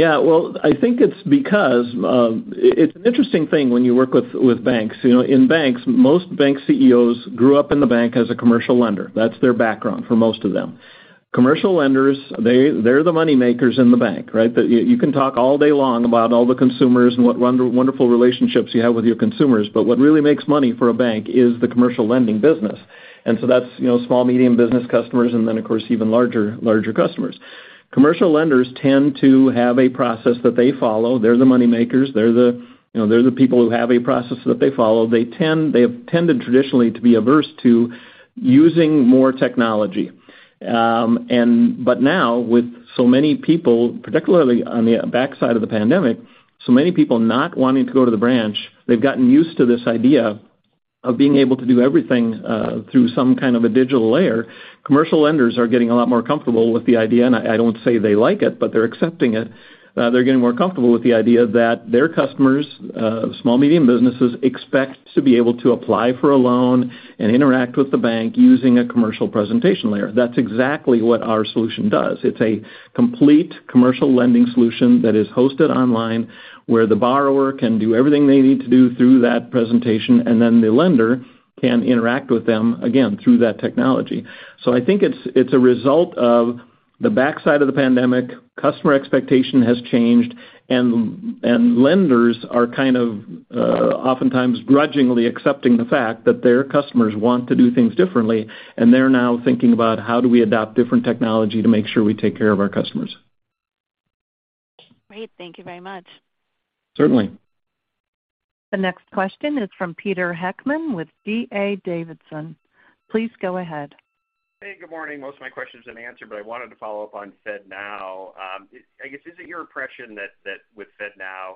Speaker 3: Yeah. Well, I think it's because, it's an interesting thing when you work with banks. You know, in banks, most bank CEOs grew up in the bank as a commercial lender. That's their background for most of them. Commercial lenders, they're the money makers in the bank, right? The... You, you can talk all day long about all the consumers and what wonderful relationships you have with your consumers, but what really makes money for a bank is the commercial lending business. That's, you know, small, medium business customers and then, of course, even larger customers. Commercial lenders tend to have a process that they follow. They're the money makers. They're the, you know, they're the people who have a process that they follow. They have tended traditionally to be averse to using more technology. But now with so many people, particularly on the backside of the pandemic, so many people not wanting to go to the branch, they've gotten used to this idea of being able to do everything through some kind of a digital layer. Commercial lenders are getting a lot more comfortable with the idea, and I don't say they like it, but they're accepting it. They're getting more comfortable with the idea that their customers, small, medium businesses, expect to be able to apply for a loan and interact with the bank using a commercial presentation layer. That's exactly what our solution does. It's a complete commercial lending solution that is hosted online, where the borrower can do everything they need to do through that presentation, and then the lender can interact with them, again, through that technology. I think it's a result of the backside of the pandemic, customer expectation has changed and lenders are kind of, oftentimes grudgingly accepting the fact that their customers want to do things differently, and they're now thinking about how do we adopt different technology to make sure we take care of our customers.
Speaker 10: Great. Thank you very much.
Speaker 3: Certainly.
Speaker 1: The next question is from Peter Heckmann with D.A. Davidson. Please go ahead.
Speaker 11: Hey, good morning. Most of my questions have been answered. I wanted to follow up on FedNow. I guess, is it your impression that with FedNow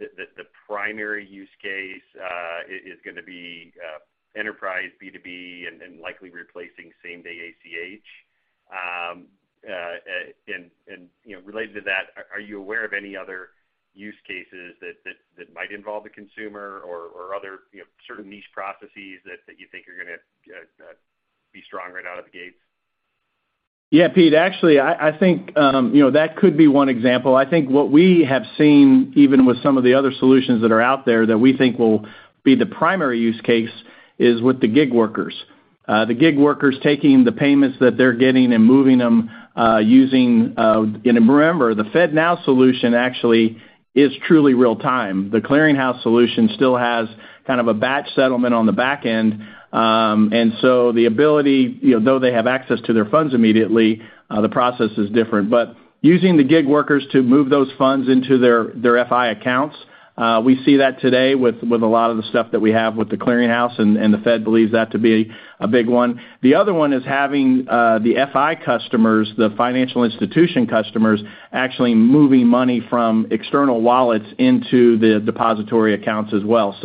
Speaker 11: that the primary use case is gonna be enterprise B2B and likely replacing same-day ACH? You know, related to that, are you aware of any other use cases that might involve the consumer or other, you know, sort of niche processes that you think are gonna be strong right out of the gates?
Speaker 3: Yeah, Pete, actually, I think, you know, that could be one example. I think what we have seen, even with some of the other solutions that are out there that we think will be the primary use case is with the gig workers. The gig workers taking the payments that they're getting and moving them, using, remember, the FedNow solution actually is truly real time. The Clearing House solution still has kind of a batch settlement on the back end. The ability, you know, though they have access to their funds immediately, the process is different. Using the gig workers to move those funds into their FI accounts, we see that today with a lot of the stuff that we have with The Clearing House, and the Fed believes that to be a big one. The other one is having the FI customers, the financial institution customers, actually moving money from external wallets into the depository accounts as well.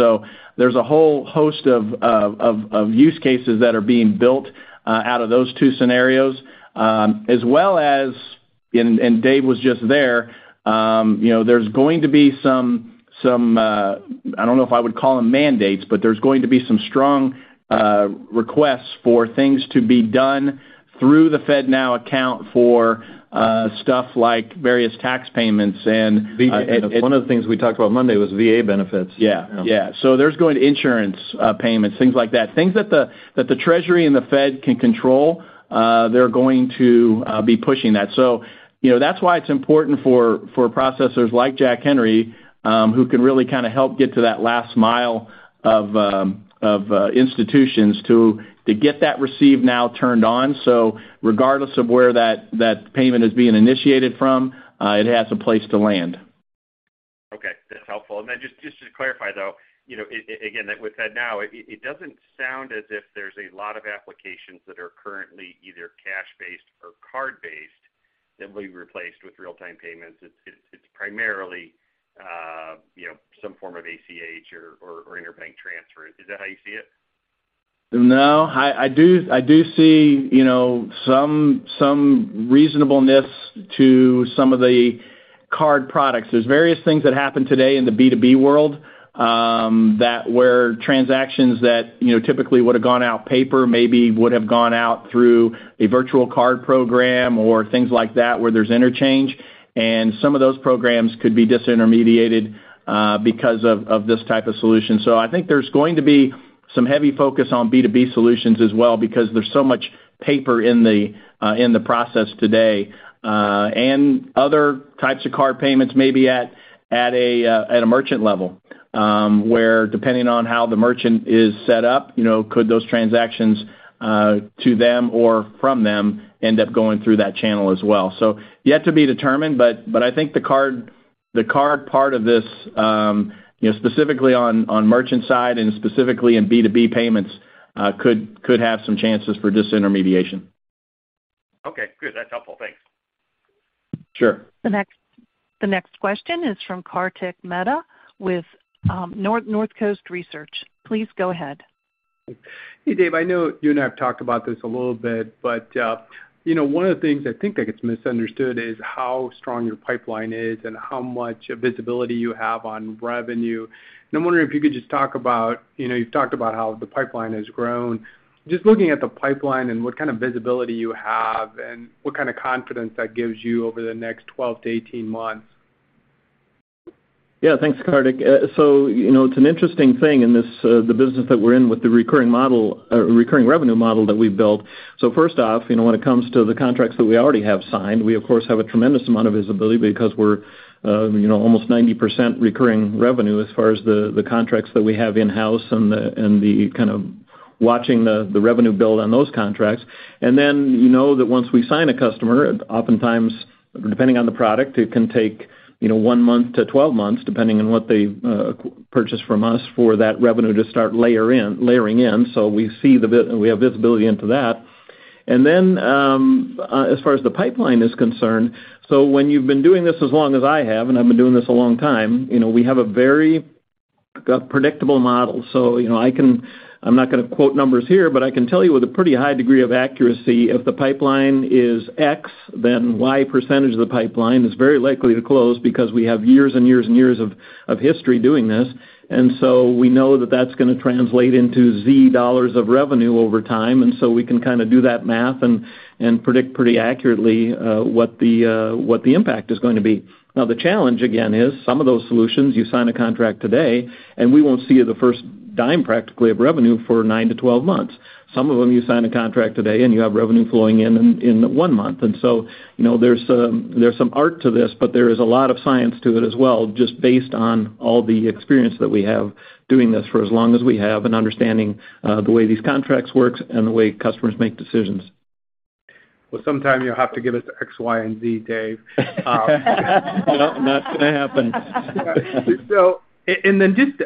Speaker 3: There's a whole host of use cases that are being built out of those two scenarios, as well as, and Dave was just there, you know, there's going to be some I don't know if I would call them mandates, but there's going to be some strong requests for things to be done through the FedNow account for stuff like various tax payments and.
Speaker 11: One of the things we talked about Monday was V.A. benefits.
Speaker 3: Yeah. Yeah. There's going insurance, payments, things like that. Things that the Treasury and the Fed can control, they're going to be pushing that. You know, that's why it's important for processors like Jack Henry, who can really kinda help get to that last mile of institutions to get that receive now turned on. Regardless of where that payment is being initiated from, it has a place to land.
Speaker 11: That's helpful. Just to clarify, though, you know, again, with that now, it doesn't sound as if there's a lot of applications that are currently either cash-based or card-based that will be replaced with real-time payments. It's primarily, you know, some form of ACH or interbank transfer. Is that how you see it?
Speaker 3: No, I do see, you know, some reasonableness to some of the card products. There's various things that happen today in the B2B world, that where transactions that, you know, typically would have gone out paper maybe would have gone out through a virtual card program or things like that where there's interchange. Some of those programs could be disintermediated because of this type of solution. I think there's going to be some heavy focus on B2B solutions as well because there's so much paper in the process today, and other types of card payments may be at a merchant level, where depending on how the merchant is set up, you know, could those transactions to them or from them end up going through that channel as well. Yet to be determined, but I think the card part of this, you know, specifically on merchant side and specifically in B2B payments, could have some chances for disintermediation.
Speaker 11: Okay, good. That's helpful. Thanks.
Speaker 3: Sure.
Speaker 1: The next question is from Kartik Mehta with North Coast Research. Please go ahead.
Speaker 12: Hey, Dave. I know you and I have talked about this a little bit, you know, one of the things I think that gets misunderstood is how strong your pipeline is and how much visibility you have on revenue. I'm wondering if you could just talk about, you know, you've talked about how the pipeline has grown, just looking at the pipeline and what kind of visibility you have and what kind of confidence that gives you over the next 12-18 months?
Speaker 3: Yeah. Thanks, Kartik. You know, it's an interesting thing in this, the business that we're in with the recurring model or recurring revenue model that we've built. First off, you know, when it comes to the contracts that we already have signed, we of course have a tremendous amount of visibility because we're, you know, almost 90% recurring revenue as far as the contracts that we have in-house and the kind of watching the revenue build on those contracts. You know that once we sign a customer, oftentimes, depending on the product, it can take, you know, one month to 12 months, depending on what they purchase from us for that revenue to start layer in-layering in. We see we have visibility into that. As far as the pipeline is concerned, when you've been doing this as long as I have, and I've been doing this a long time, you know, we have a very, a predictable model. You know, I'm not gonna quote numbers here, but I can tell you with a pretty high degree of accuracy, if the pipeline is X, then Y% of the pipeline is very likely to close because we have years and years and years of history doing this. We know that that's gonna translate into $Z of revenue over time. We can kinda do that math and predict pretty accurately, what the impact is going to be. Now, the challenge again, is some of those solutions, you sign a contract today, and we won't see the first dime practically of revenue for 9-12 months. Some of them, you sign a contract today, and you have revenue flowing in one month. You know, there's some art to this, but there is a lot of science to it as well, just based on all the experience that we have doing this for as long as we have and understanding the way these contracts works and the way customers make decisions.
Speaker 12: Sometime you'll have to give us X, Y, and Z, Dave.
Speaker 3: Nope, not gonna happen.
Speaker 12: Just,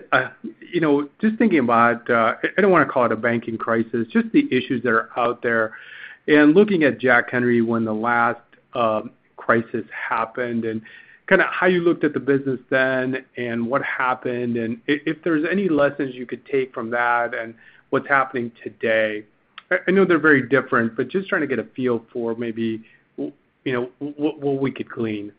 Speaker 12: you know, just thinking about, I don't wanna call it a banking crisis, just the issues that are out there, and looking at Jack Henry when the last crisis happened and kinda how you looked at the business then and what happened, and if there's any lessons you could take from that and what's happening today. I know they're very different, just trying to get a feel for maybe, you know, what we could glean.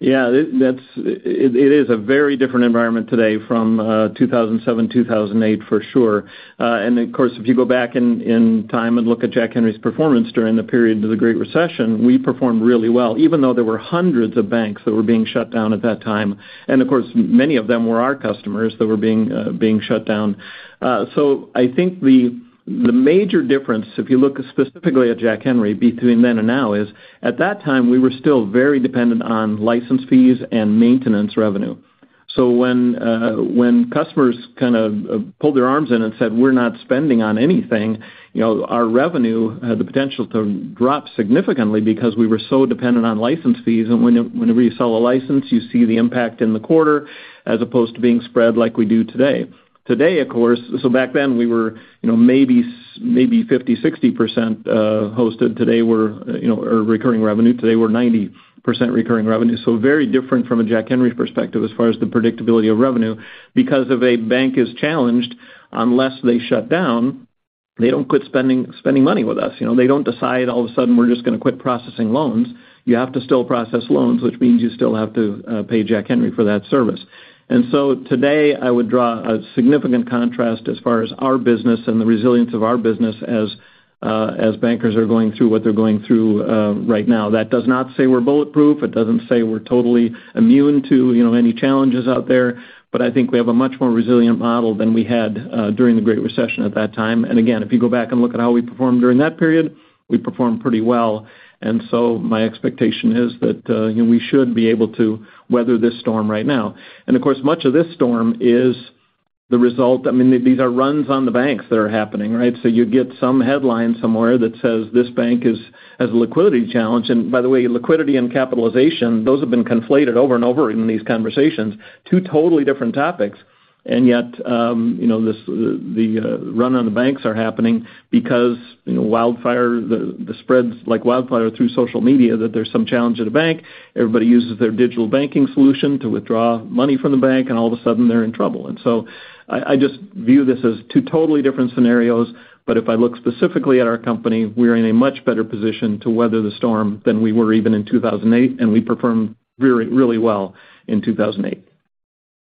Speaker 3: Yeah, that's... It is a very different environment today from 2007, 2008, for sure. Of course, if you go back in time and look at Jack Henry's performance during the period of the Great Recession, we performed really well, even though there were hundreds of banks that were being shut down at that time. Of course, many of them were our customers that were being shut down. I think the major difference, if you look specifically at Jack Henry between then and now, is at that time, we were still very dependent on license fees and maintenance revenue. When customers kind of pulled their arms in and said, "We're not spending on anything," you know, our revenue had the potential to drop significantly because we were so dependent on license fees. Whenever you sell a license, you see the impact in the quarter as opposed to being spread like we do today. Today, of course, back then, we were, you know, maybe 50, 60% hosted. Today, we're, you know, or recurring revenue. Today, we're 90% recurring revenue. Very different from a Jack Henry perspective as far as the predictability of revenue. If a bank is challenged, unless they shut down, they don't quit spending money with us. You know, they don't decide all of a sudden, "We're just gonna quit processing loans." You have to still process loans, which means you still have to pay Jack Henry for that service. Today, I would draw a significant contrast as far as our business and the resilience of our business as bankers are going through what they're going through right now. That does not say we're bulletproof. It doesn't say we're totally immune to, you know, any challenges out there. I think we have a much more resilient model than we had during the Great Recession at that time. Again, if you go back and look at how we performed during that period, we performed pretty well. My expectation is that, you know, we should be able to weather this storm right now. Of course, much of this storm is the result. I mean, these are runs on the banks that are happening, right? You get some headline somewhere that says this bank is, has a liquidity challenge. By the way, liquidity and capitalization, those have been conflated over and over in these conversations, two totally different topics. Yet, you know, this, the, run on the banks are happening because, you know, wildfire, the spreads like wildfire through social media that there's some challenge at a bank. Everybody uses their digital banking solution to withdraw money from the bank, and all of a sudden they're in trouble. I just view this as two totally different scenarios. If I look specifically at our company, we're in a much better position to weather the storm than we were even in 2008, and we performed really, really well in 2008.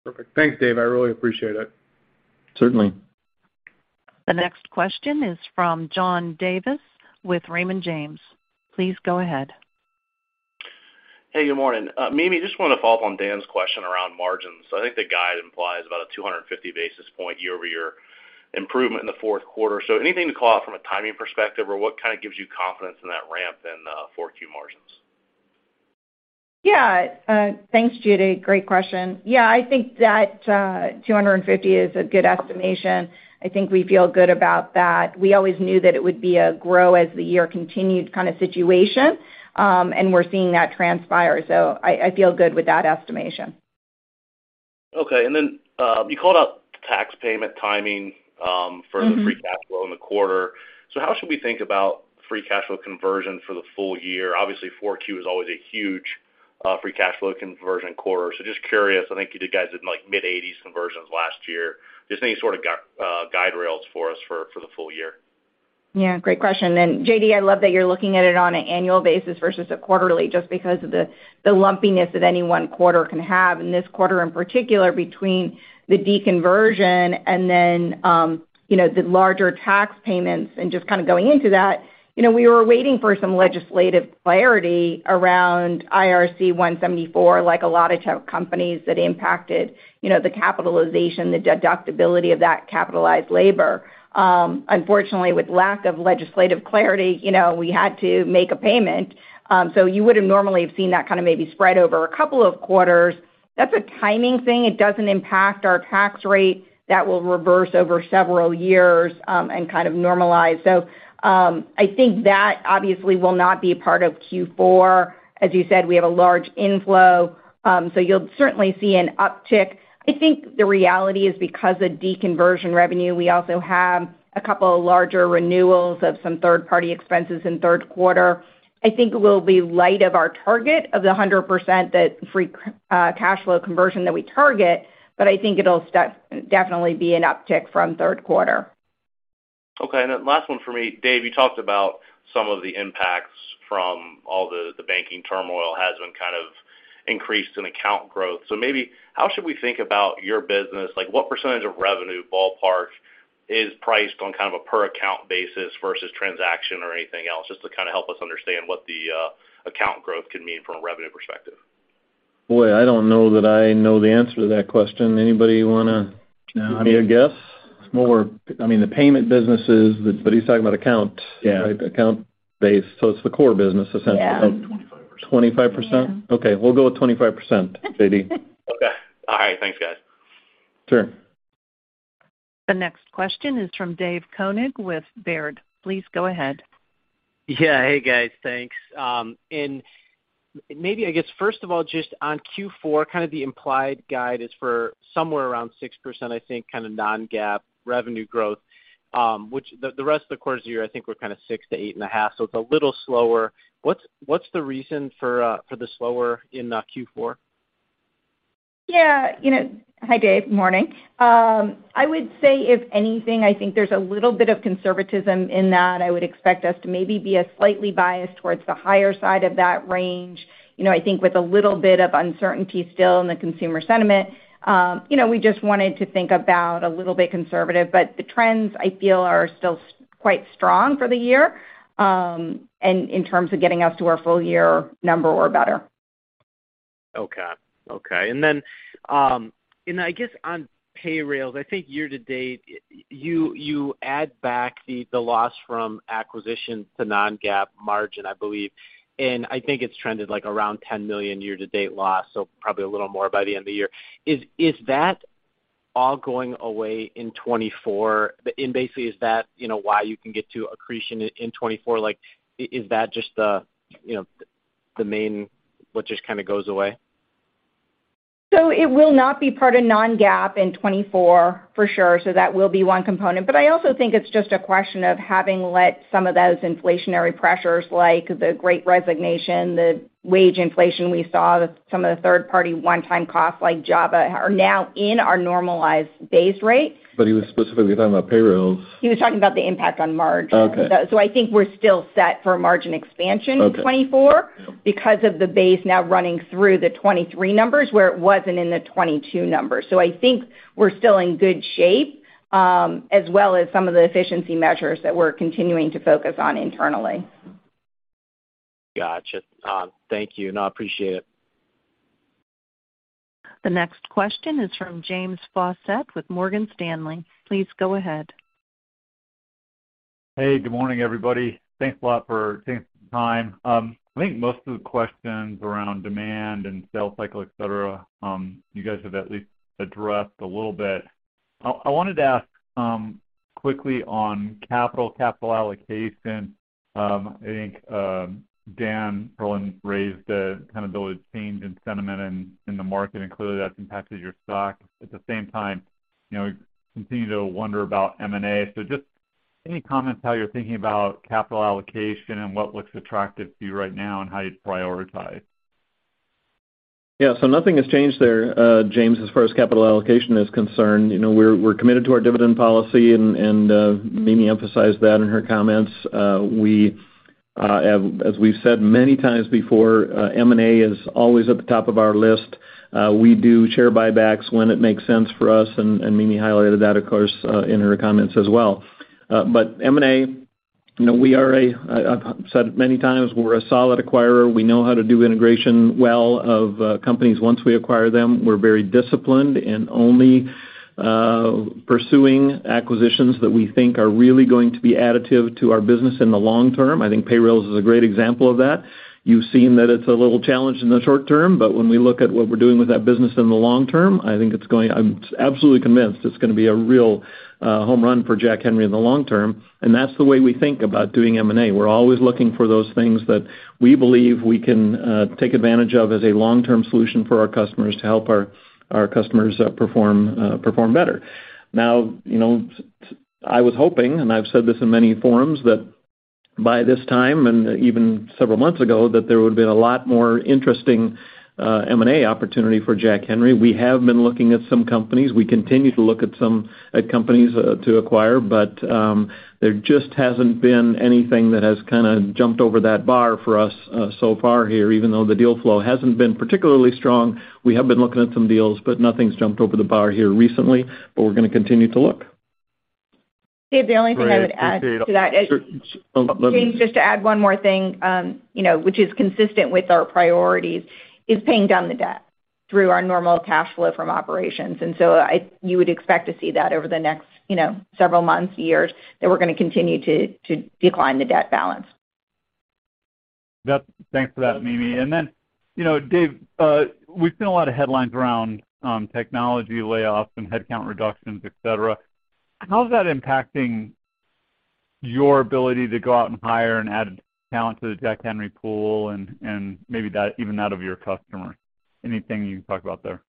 Speaker 12: Perfect. Thanks, Dave. I really appreciate it.
Speaker 3: Certainly.
Speaker 1: The next question is from John Davis with Raymond James. Please go ahead.
Speaker 13: Good morning. Mimi, just want to follow up on Dan's question around margins. I think the guide implies about a 250 basis point year-over-year improvement in the fourth quarter. Anything to call out from a timing perspective or what kind of gives you confidence in that ramp in 4Q margins?
Speaker 4: Thanks, J.D. Great question. I think that 250 is a good estimation. I think we feel good about that. We always knew that it would be a grow as the year continued kind of situation, and we're seeing that transpire. I feel good with that estimation.
Speaker 13: Okay. You called out tax payment timing.
Speaker 4: Mm-hmm.
Speaker 13: the Free Cash Flow in the quarter. How should we think about Free Cash Flow conversion for the full year? Obviously, 4Q is always a huge Free Cash Flow conversion quarter. Just curious, I think you guys did like mid-80s conversions last year. Just any sort of guide rails for us for the full year.
Speaker 4: Yeah, great question. J.D., I love that you're looking at it on an annual basis versus a quarterly just because of the lumpiness that any one quarter can have. This quarter in particular between the deconversion and then, you know, the larger tax payments and just kind of going into that. You know, we were waiting for some legislative clarity around IRC Section 174, like a lot of tech companies that impacted, you know, the capitalization, the deductibility of that capitalized labor. Unfortunately, with lack of legislative clarity, you know, we had to make a payment. You would have normally have seen that kind of maybe spread over a couple of quarters. That's a timing thing. It doesn't impact our tax rate. That will reverse over several years and kind of normalize. I think that obviously will not be part of Q4. As you said, we have a large inflow, you'll certainly see an uptick. I think the reality is because of deconversion revenue, we also have a couple of larger renewals of some third-party expenses in third quarter. I think we'll be light of our target of the 100% Free Cash Flow conversion that we target, I think it'll definitely be an uptick from third quarter.
Speaker 13: Okay. Last one for me. Dave, you talked about some of the impacts from all the banking turmoil has been kind of increased in account growth. Maybe how should we think about your business? Like, what % of revenue ballpark is priced on kind of a per account basis versus transaction or anything else? Just to kind of help us understand what the account growth could mean from a revenue perspective.
Speaker 3: Boy, I don't know that I know the answer to that question. Anybody wanna, maybe a guess? It's more... I mean, the payment business is... He's talking about accounts.
Speaker 13: Yeah.
Speaker 3: Account base. It's the core business, essentially.
Speaker 4: Yeah.
Speaker 12: 25%.
Speaker 3: 25%?
Speaker 4: Yeah.
Speaker 3: Okay. We'll go with 25%, J.D.
Speaker 13: Okay. All right. Thanks, guys.
Speaker 3: Sure.
Speaker 1: The next question is from David Koning with Baird. Please go ahead.
Speaker 14: Yeah. Hey, guys. Thanks. Maybe, I guess, first of all, just on Q4, kind of the implied guide is for somewhere around 6%, I think, kind of non-GAAP revenue growth, which the rest of the course year, I think we're kind of 6%-8.5%. It's a little slower. What's the reason for the slower in Q4?
Speaker 4: Yeah. You know. Hi, Dave. Morning. I would say, if anything, I think there's a little bit of conservatism in that. I would expect us to maybe be a slightly biased towards the higher side of that range. You know, I think with a little bit of uncertainty still in the consumer sentiment, you know, we just wanted to think about a little bit conservative. The trends, I feel, are still quite strong for the year, and in terms of getting us to our full year number or better.
Speaker 14: Okay. Okay. I guess on payrolls, I think year to date, you add back the loss from acquisition to non-GAAP margin, I believe. I think it's trended like around $10 million year to date loss, so probably a little more by the end of the year. Is that all going away in 2024? Basically is that, you know, why you can get to accretion in 2024? Like, is that just the, you know, main what just kind of goes away?
Speaker 4: It will not be part of non-GAAP in 2024 for sure. That will be one component. I also think it's just a question of having let some of those inflationary pressures, like the great resignation, the wage inflation we saw, some of the third-party one-time costs like Java are now in our normalized base rate.
Speaker 3: He was specifically talking about payrolls.
Speaker 4: He was talking about the impact on margin.
Speaker 14: Okay.
Speaker 4: I think we're still set for margin expansion in 2024.
Speaker 14: Okay.
Speaker 4: because of the base now running through the 23 numbers, where it wasn't in the 22 numbers. I think we're still in good shape, as well as some of the efficiency measures that we're continuing to focus on internally.
Speaker 14: Gotcha. Thank you. No, I appreciate it.
Speaker 1: The next question is from James Faucette with Morgan Stanley. Please go ahead.
Speaker 15: Hey, good morning, everybody. Thanks a lot for taking some time. I think most of the questions around demand and sales cycle, et cetera, you guys have at least addressed a little bit. I wanted to ask quickly on capital allocation. I think Dan Perlin raised the kind of the change in sentiment in the market, and clearly that's impacted your stock. At the same time, you know, we continue to wonder about M&A. Just any comments how you're thinking about capital allocation and what looks attractive to you right now and how you'd prioritize?
Speaker 3: Nothing has changed there, James, as far as capital allocation is concerned. You know, we're committed to our dividend policy and Mimi emphasized that in her comments. As we've said many times before, M&A is always at the top of our list. We do share buybacks when it makes sense for us, and Mimi highlighted that, of course, in her comments as well. M&A, you know, we are I've said it many times, we're a solid acquirer. We know how to do integration well of companies once we acquire them. We're very disciplined and only pursuing acquisitions that we think are really going to be additive to our business in the long term. I think Payrailz is a great example of that. You've seen that it's a little challenged in the short term, but when we look at what we're doing with that business in the long term, I think I'm absolutely convinced it's gonna be a real home run for Jack Henry in the long term. That's the way we think about doing M&A. We're always looking for those things that we believe we can take advantage of as a long-term solution for our customers to help our customers perform better. You know, I was hoping, and I've said this in many forums, that by this time and even several months ago, that there would have been a lot more interesting M&A opportunity for Jack Henry. We have been looking at some companies. We continue to look at some companies to acquire, but there just hasn't been anything that has kinda jumped over that bar for us so far here. Even though the deal flow hasn't been particularly strong, we have been looking at some deals, but nothing's jumped over the bar here recently, but we're gonna continue to look.
Speaker 4: Dave, the only thing I would add to that.
Speaker 15: Great.
Speaker 3: Sure. Oh.
Speaker 4: James, just to add one more thing, you know, which is consistent with our priorities is paying down the debt through our normal cash flow from operations. You would expect to see that over the next, you know, several months, years, that we're gonna continue to decline the debt balance.
Speaker 15: Yep. Thanks for that, Mimi. Then, you know, Dave, we've seen a lot of headlines around technology layoffs and headcount reductions, et cetera. How's that impacting your ability to go out and hire and add talent to the Jack Henry pool and maybe that even out of your customer? Anything you can talk about there?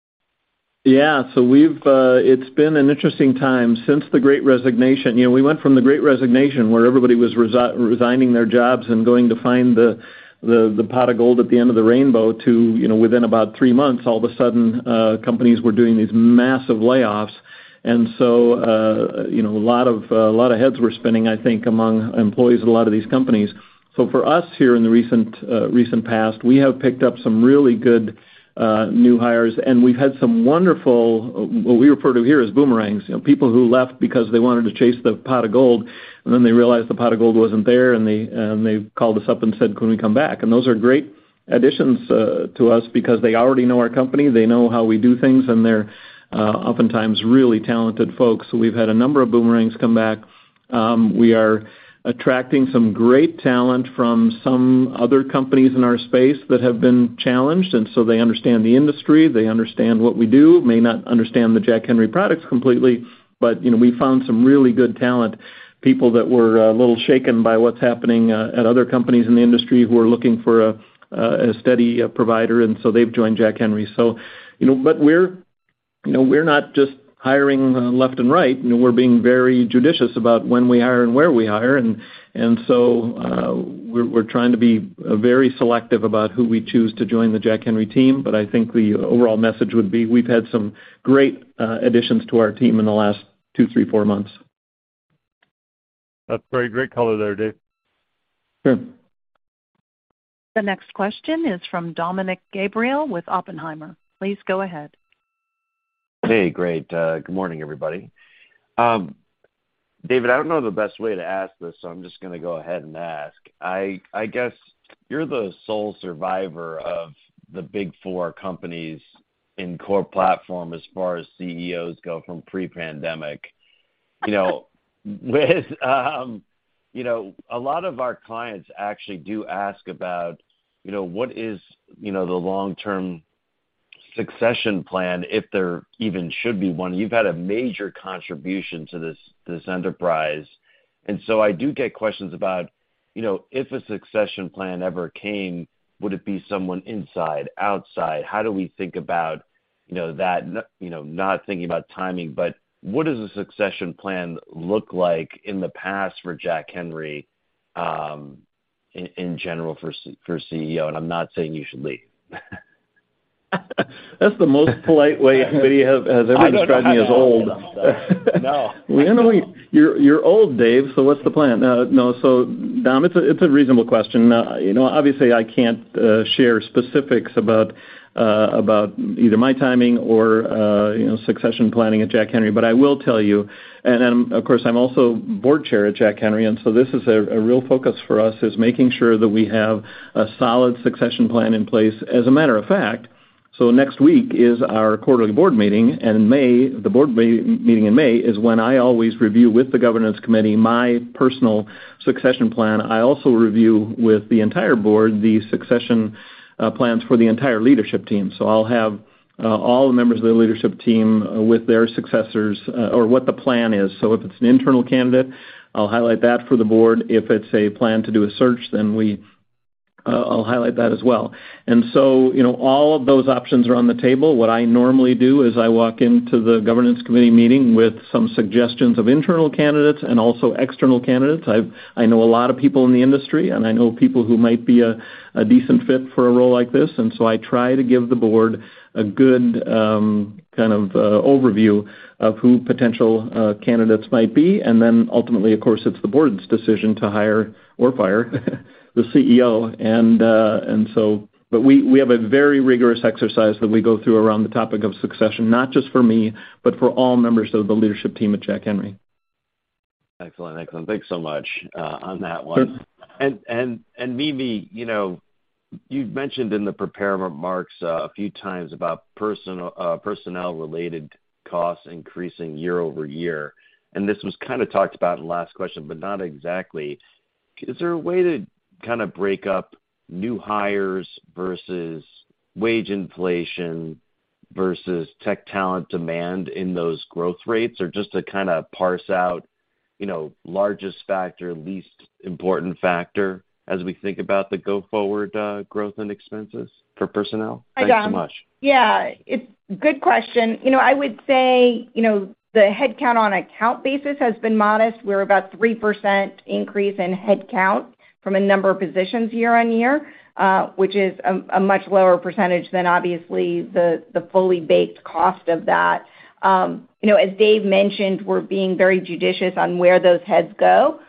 Speaker 3: Yeah. We've, it's been an interesting time since the great resignation. You know, we went from the great resignation, where everybody was resigning their jobs and going to find the pot of gold at the end of the rainbow to, you know, within about three months, all of a sudden, companies were doing these massive layoffs. You know, a lot of heads were spinning, I think, among employees at a lot of these companies. For us here in the recent past, we have picked up some really good new hires, and we've had some wonderful, what we refer to here as boomerangs, you know, people who left because they wanted to chase the pot of gold, and then they realized the pot of gold wasn't there, and they called us up and said, "Can we come back?" Those are great additions to us because they already know our company, they know how we do things, and they're oftentimes really talented folks. We've had a number of boomerangs come back. We are attracting some great talent from some other companies in our space that have been challenged, and so they understand the industry, they understand what we do. May not understand the Jack Henry products completely, but you know, we found some really good talent, people that were a little shaken by what's happening at other companies in the industry who are looking for a steady provider, and so they've joined Jack Henry. You know, but we're not just hiring left and right. You know, we're being very judicious about when we hire and where we hire. We're trying to be very selective about who we choose to join the Jack Henry team. I think the overall message would be we've had some great additions to our team in the last two, three, four months.
Speaker 15: That's great. Great color there, Dave.
Speaker 3: Sure.
Speaker 1: The next question is from Dominick Gabriele with Oppenheimer. Please go ahead.
Speaker 16: Hey, great. Good morning, everybody. David, I don't know the best way to ask this, so I'm just gonna go ahead and ask. I guess you're the sole survivor of the big four companies in core platform as far as CEOs go from pre-pandemic. You know, with, you know, a lot of our clients actually do ask about, you know, what is, you know, the long-term succession plan, if there even should be one? You've had a major contribution to this enterprise, I do get questions about, you know, if a succession plan ever came, would it be someone inside, outside? How do we think about, you know, that? You know, not thinking about timing, but what does a succession plan look like in the past for Jack Henry, in general for CEO? I'm not saying you should leave.
Speaker 3: That's the most polite way anybody has ever described me as old.
Speaker 16: I don't know how to ask it. No.
Speaker 3: You're old, Dave, what's the plan? No, Dom, it's a reasonable question. you know, obviously, I can't share specifics about either my timing or, you know, succession planning at Jack Henry. I will tell you, of course, I'm also Board Chair at Jack Henry, this is a real focus for us, is making sure that we have a solid succession plan in place. As a matter of fact, next week is our quarterly board meeting. In May, the board meeting in May is when I always review with the governance committee my personal succession plan. I also review with the entire board the succession plans for the entire leadership team. I'll have all the members of the leadership team with their successors or what the plan is. If it's an internal candidate, I'll highlight that for the board. If it's a plan to do a search, then we, I'll highlight that as well. You know, all of those options are on the table. What I normally do is I walk into the governance committee meeting with some suggestions of internal candidates and also external candidates. I know a lot of people in the industry, and I know people who might be a decent fit for a role like this. I try to give the board a good overview of who potential candidates might be. Ultimately, of course, it's the board's decision to hire or fire the CEO. We have a very rigorous exercise that we go through around the topic of succession, not just for me, but for all members of the leadership team at Jack Henry.
Speaker 16: Excellent. Excellent. Thanks so much on that one. Mimi, you know, you'd mentioned in the prepared remarks a few times about personnel-related costs increasing year-over-year, and this was kinda talked about in the last question, but not exactly. Is there a way to kinda break up new hires versus wage inflation versus tech talent demand in those growth rates or just to kinda parse out, you know, largest factor, least important factor as we think about the go-forward growth and expenses for personnel? Thanks so much.
Speaker 8: It's good question. You know, I would say, you know, the headcount on a count basis has been modest. We're about 3% increase in headcount from a number of positions year-on-year, which is a much lower percentage than obviously the fully baked cost of that. You know, as Dave mentioned, we're being very judicious on where those heads go.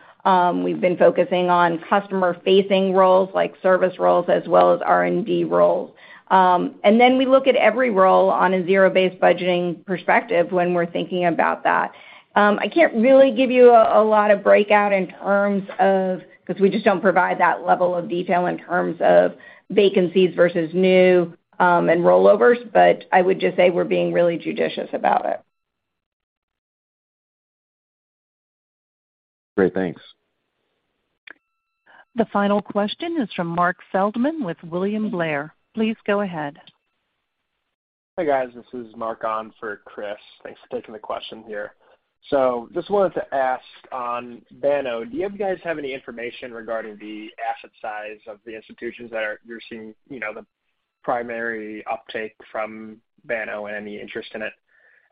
Speaker 8: We've been focusing on customer-facing roles like service roles as well as R&D roles. We look at every role on a zero-based budgeting perspective when we're thinking about that. I can't really give you a lot of breakout in terms of... 'cause we just don't provide that level of detail in terms of vacancies versus new and rollovers, but I would just say we're being really judicious about it.
Speaker 16: Great. Thanks.
Speaker 1: The final question is from Mark Feldman with William Blair. Please go ahead.
Speaker 17: Hi, guys. This is Marc on for Chris. Thanks for taking the question here. Just wanted to ask on Banno. Do you guys have any information regarding the asset size of the institutions that you're seeing, you know, the primary uptake from Banno and any interest in it?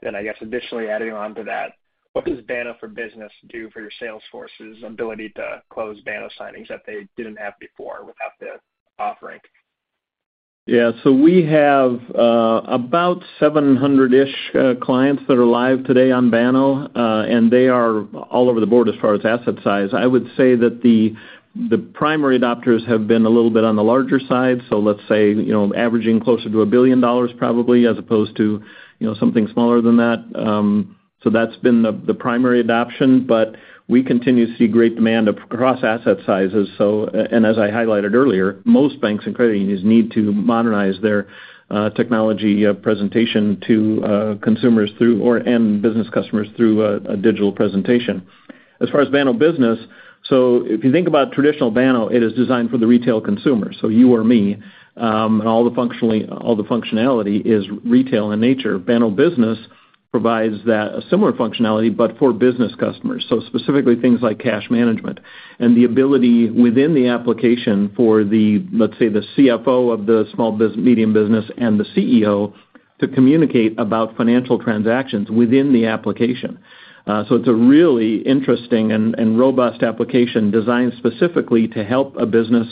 Speaker 17: I guess additionally adding on to that, what does Banno Business do for your sales force's ability to close Banno signings that they didn't have before without the offering?
Speaker 3: We have about 700-ish clients that are live today on Banno, and they are all over the board as far as asset size. I would say that the primary adopters have been a little bit on the larger side. Let's say, you know, averaging closer to $1 billion probably, as opposed to, you know, something smaller than that. That's been the primary adoption. We continue to see great demand across asset sizes. And as I highlighted earlier, most banks and credit unions need to modernize their technology presentation to consumers through or, and business customers through a digital presentation. As far as Banno Business, if you think about traditional Banno, it is designed for the retail consumer, you or me. All the functionality is retail in nature. Banno Business provides that similar functionality but for business customers. Specifically things like cash management and the ability within the application for the, let's say, the CFO of the medium business and the CEO to communicate about financial transactions within the application. It's a really interesting and robust application designed specifically to help a business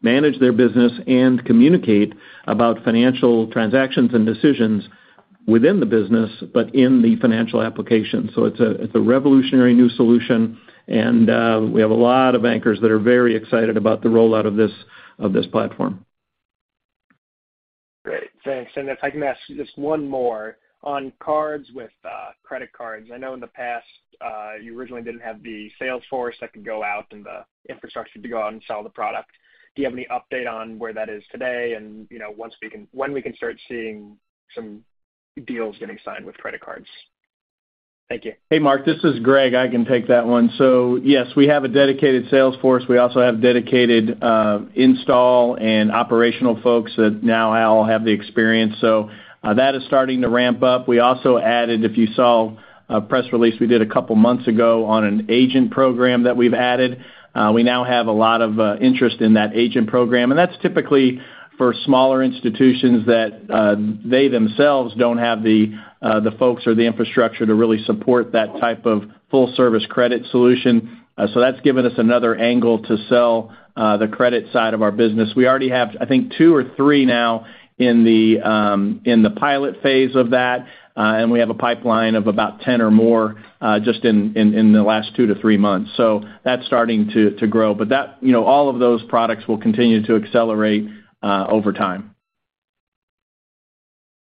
Speaker 3: manage their business and communicate about financial transactions and decisions within the business but in the financial application. It's a revolutionary new solution, and we have a lot of bankers that are very excited about the rollout of this platform.
Speaker 17: Great. Thanks. If I can ask just one more. On cards with credit cards, I know in the past, you originally didn't have the sales force that could go out and the infrastructure to go out and sell the product. Do you have any update on where that is today and, you know, when we can start seeing some deals getting signed with credit cards? Thank you.
Speaker 8: Hey, Mark, this is Greg. I can take that one. Yes, we have a dedicated sales force. We also have dedicated, install and operational folks that now all have the experience. That is starting to ramp up. We also added, if you saw a press release we did a couple months ago on an Agent Credit Card Program that we've added. We now have a lot of interest in that Agent Credit Card Program, and that's typically for smaller institutions that they themselves don't have the folks or the infrastructure to really support that type of full-service credit solution. That's given us another angle to sell the credit side of our business. We already have, I think, two or three now in the pilot phase of that, and we have a pipeline of about 10 or more, just in the last 2-3 months. That's starting to grow. That, you know, all of those products will continue to accelerate over time.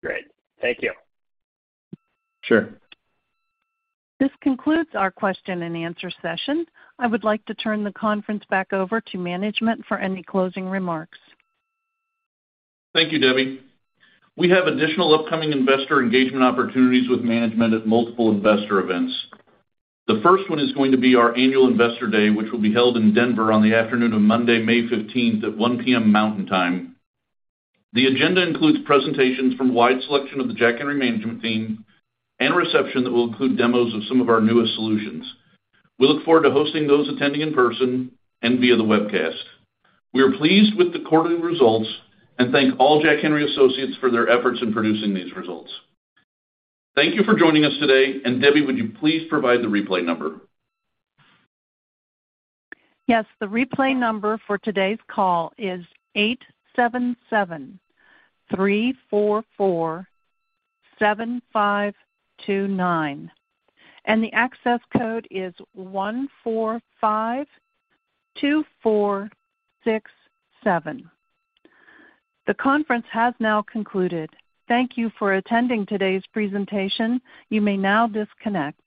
Speaker 17: Great. Thank you.
Speaker 8: Sure.
Speaker 1: This concludes our question and answer session. I would like to turn the conference back over to management for any closing remarks.
Speaker 3: Thank you, Debbie. We have additional upcoming investor engagement opportunities with management at multiple investor events. The first one is going to be our Annual Investor Day, which will be held in Denver on the afternoon of Monday, May 15th, at 1:00 P.M. Mountain Time. The agenda includes presentations from a wide selection of the Jack Henry management team and a reception that will include demos of some of our newest solutions. We look forward to hosting those attending in person and via the webcast. We are pleased with the quarterly results and thank all Jack Henry associates for their efforts in producing these results. Thank you for joining us today. Debbie, would you please provide the replay number?
Speaker 1: Yes. The replay number for today's call is 877-344-7529. The access code is 1452467. The conference has now concluded. Thank you for attending today's presentation. You may now disconnect.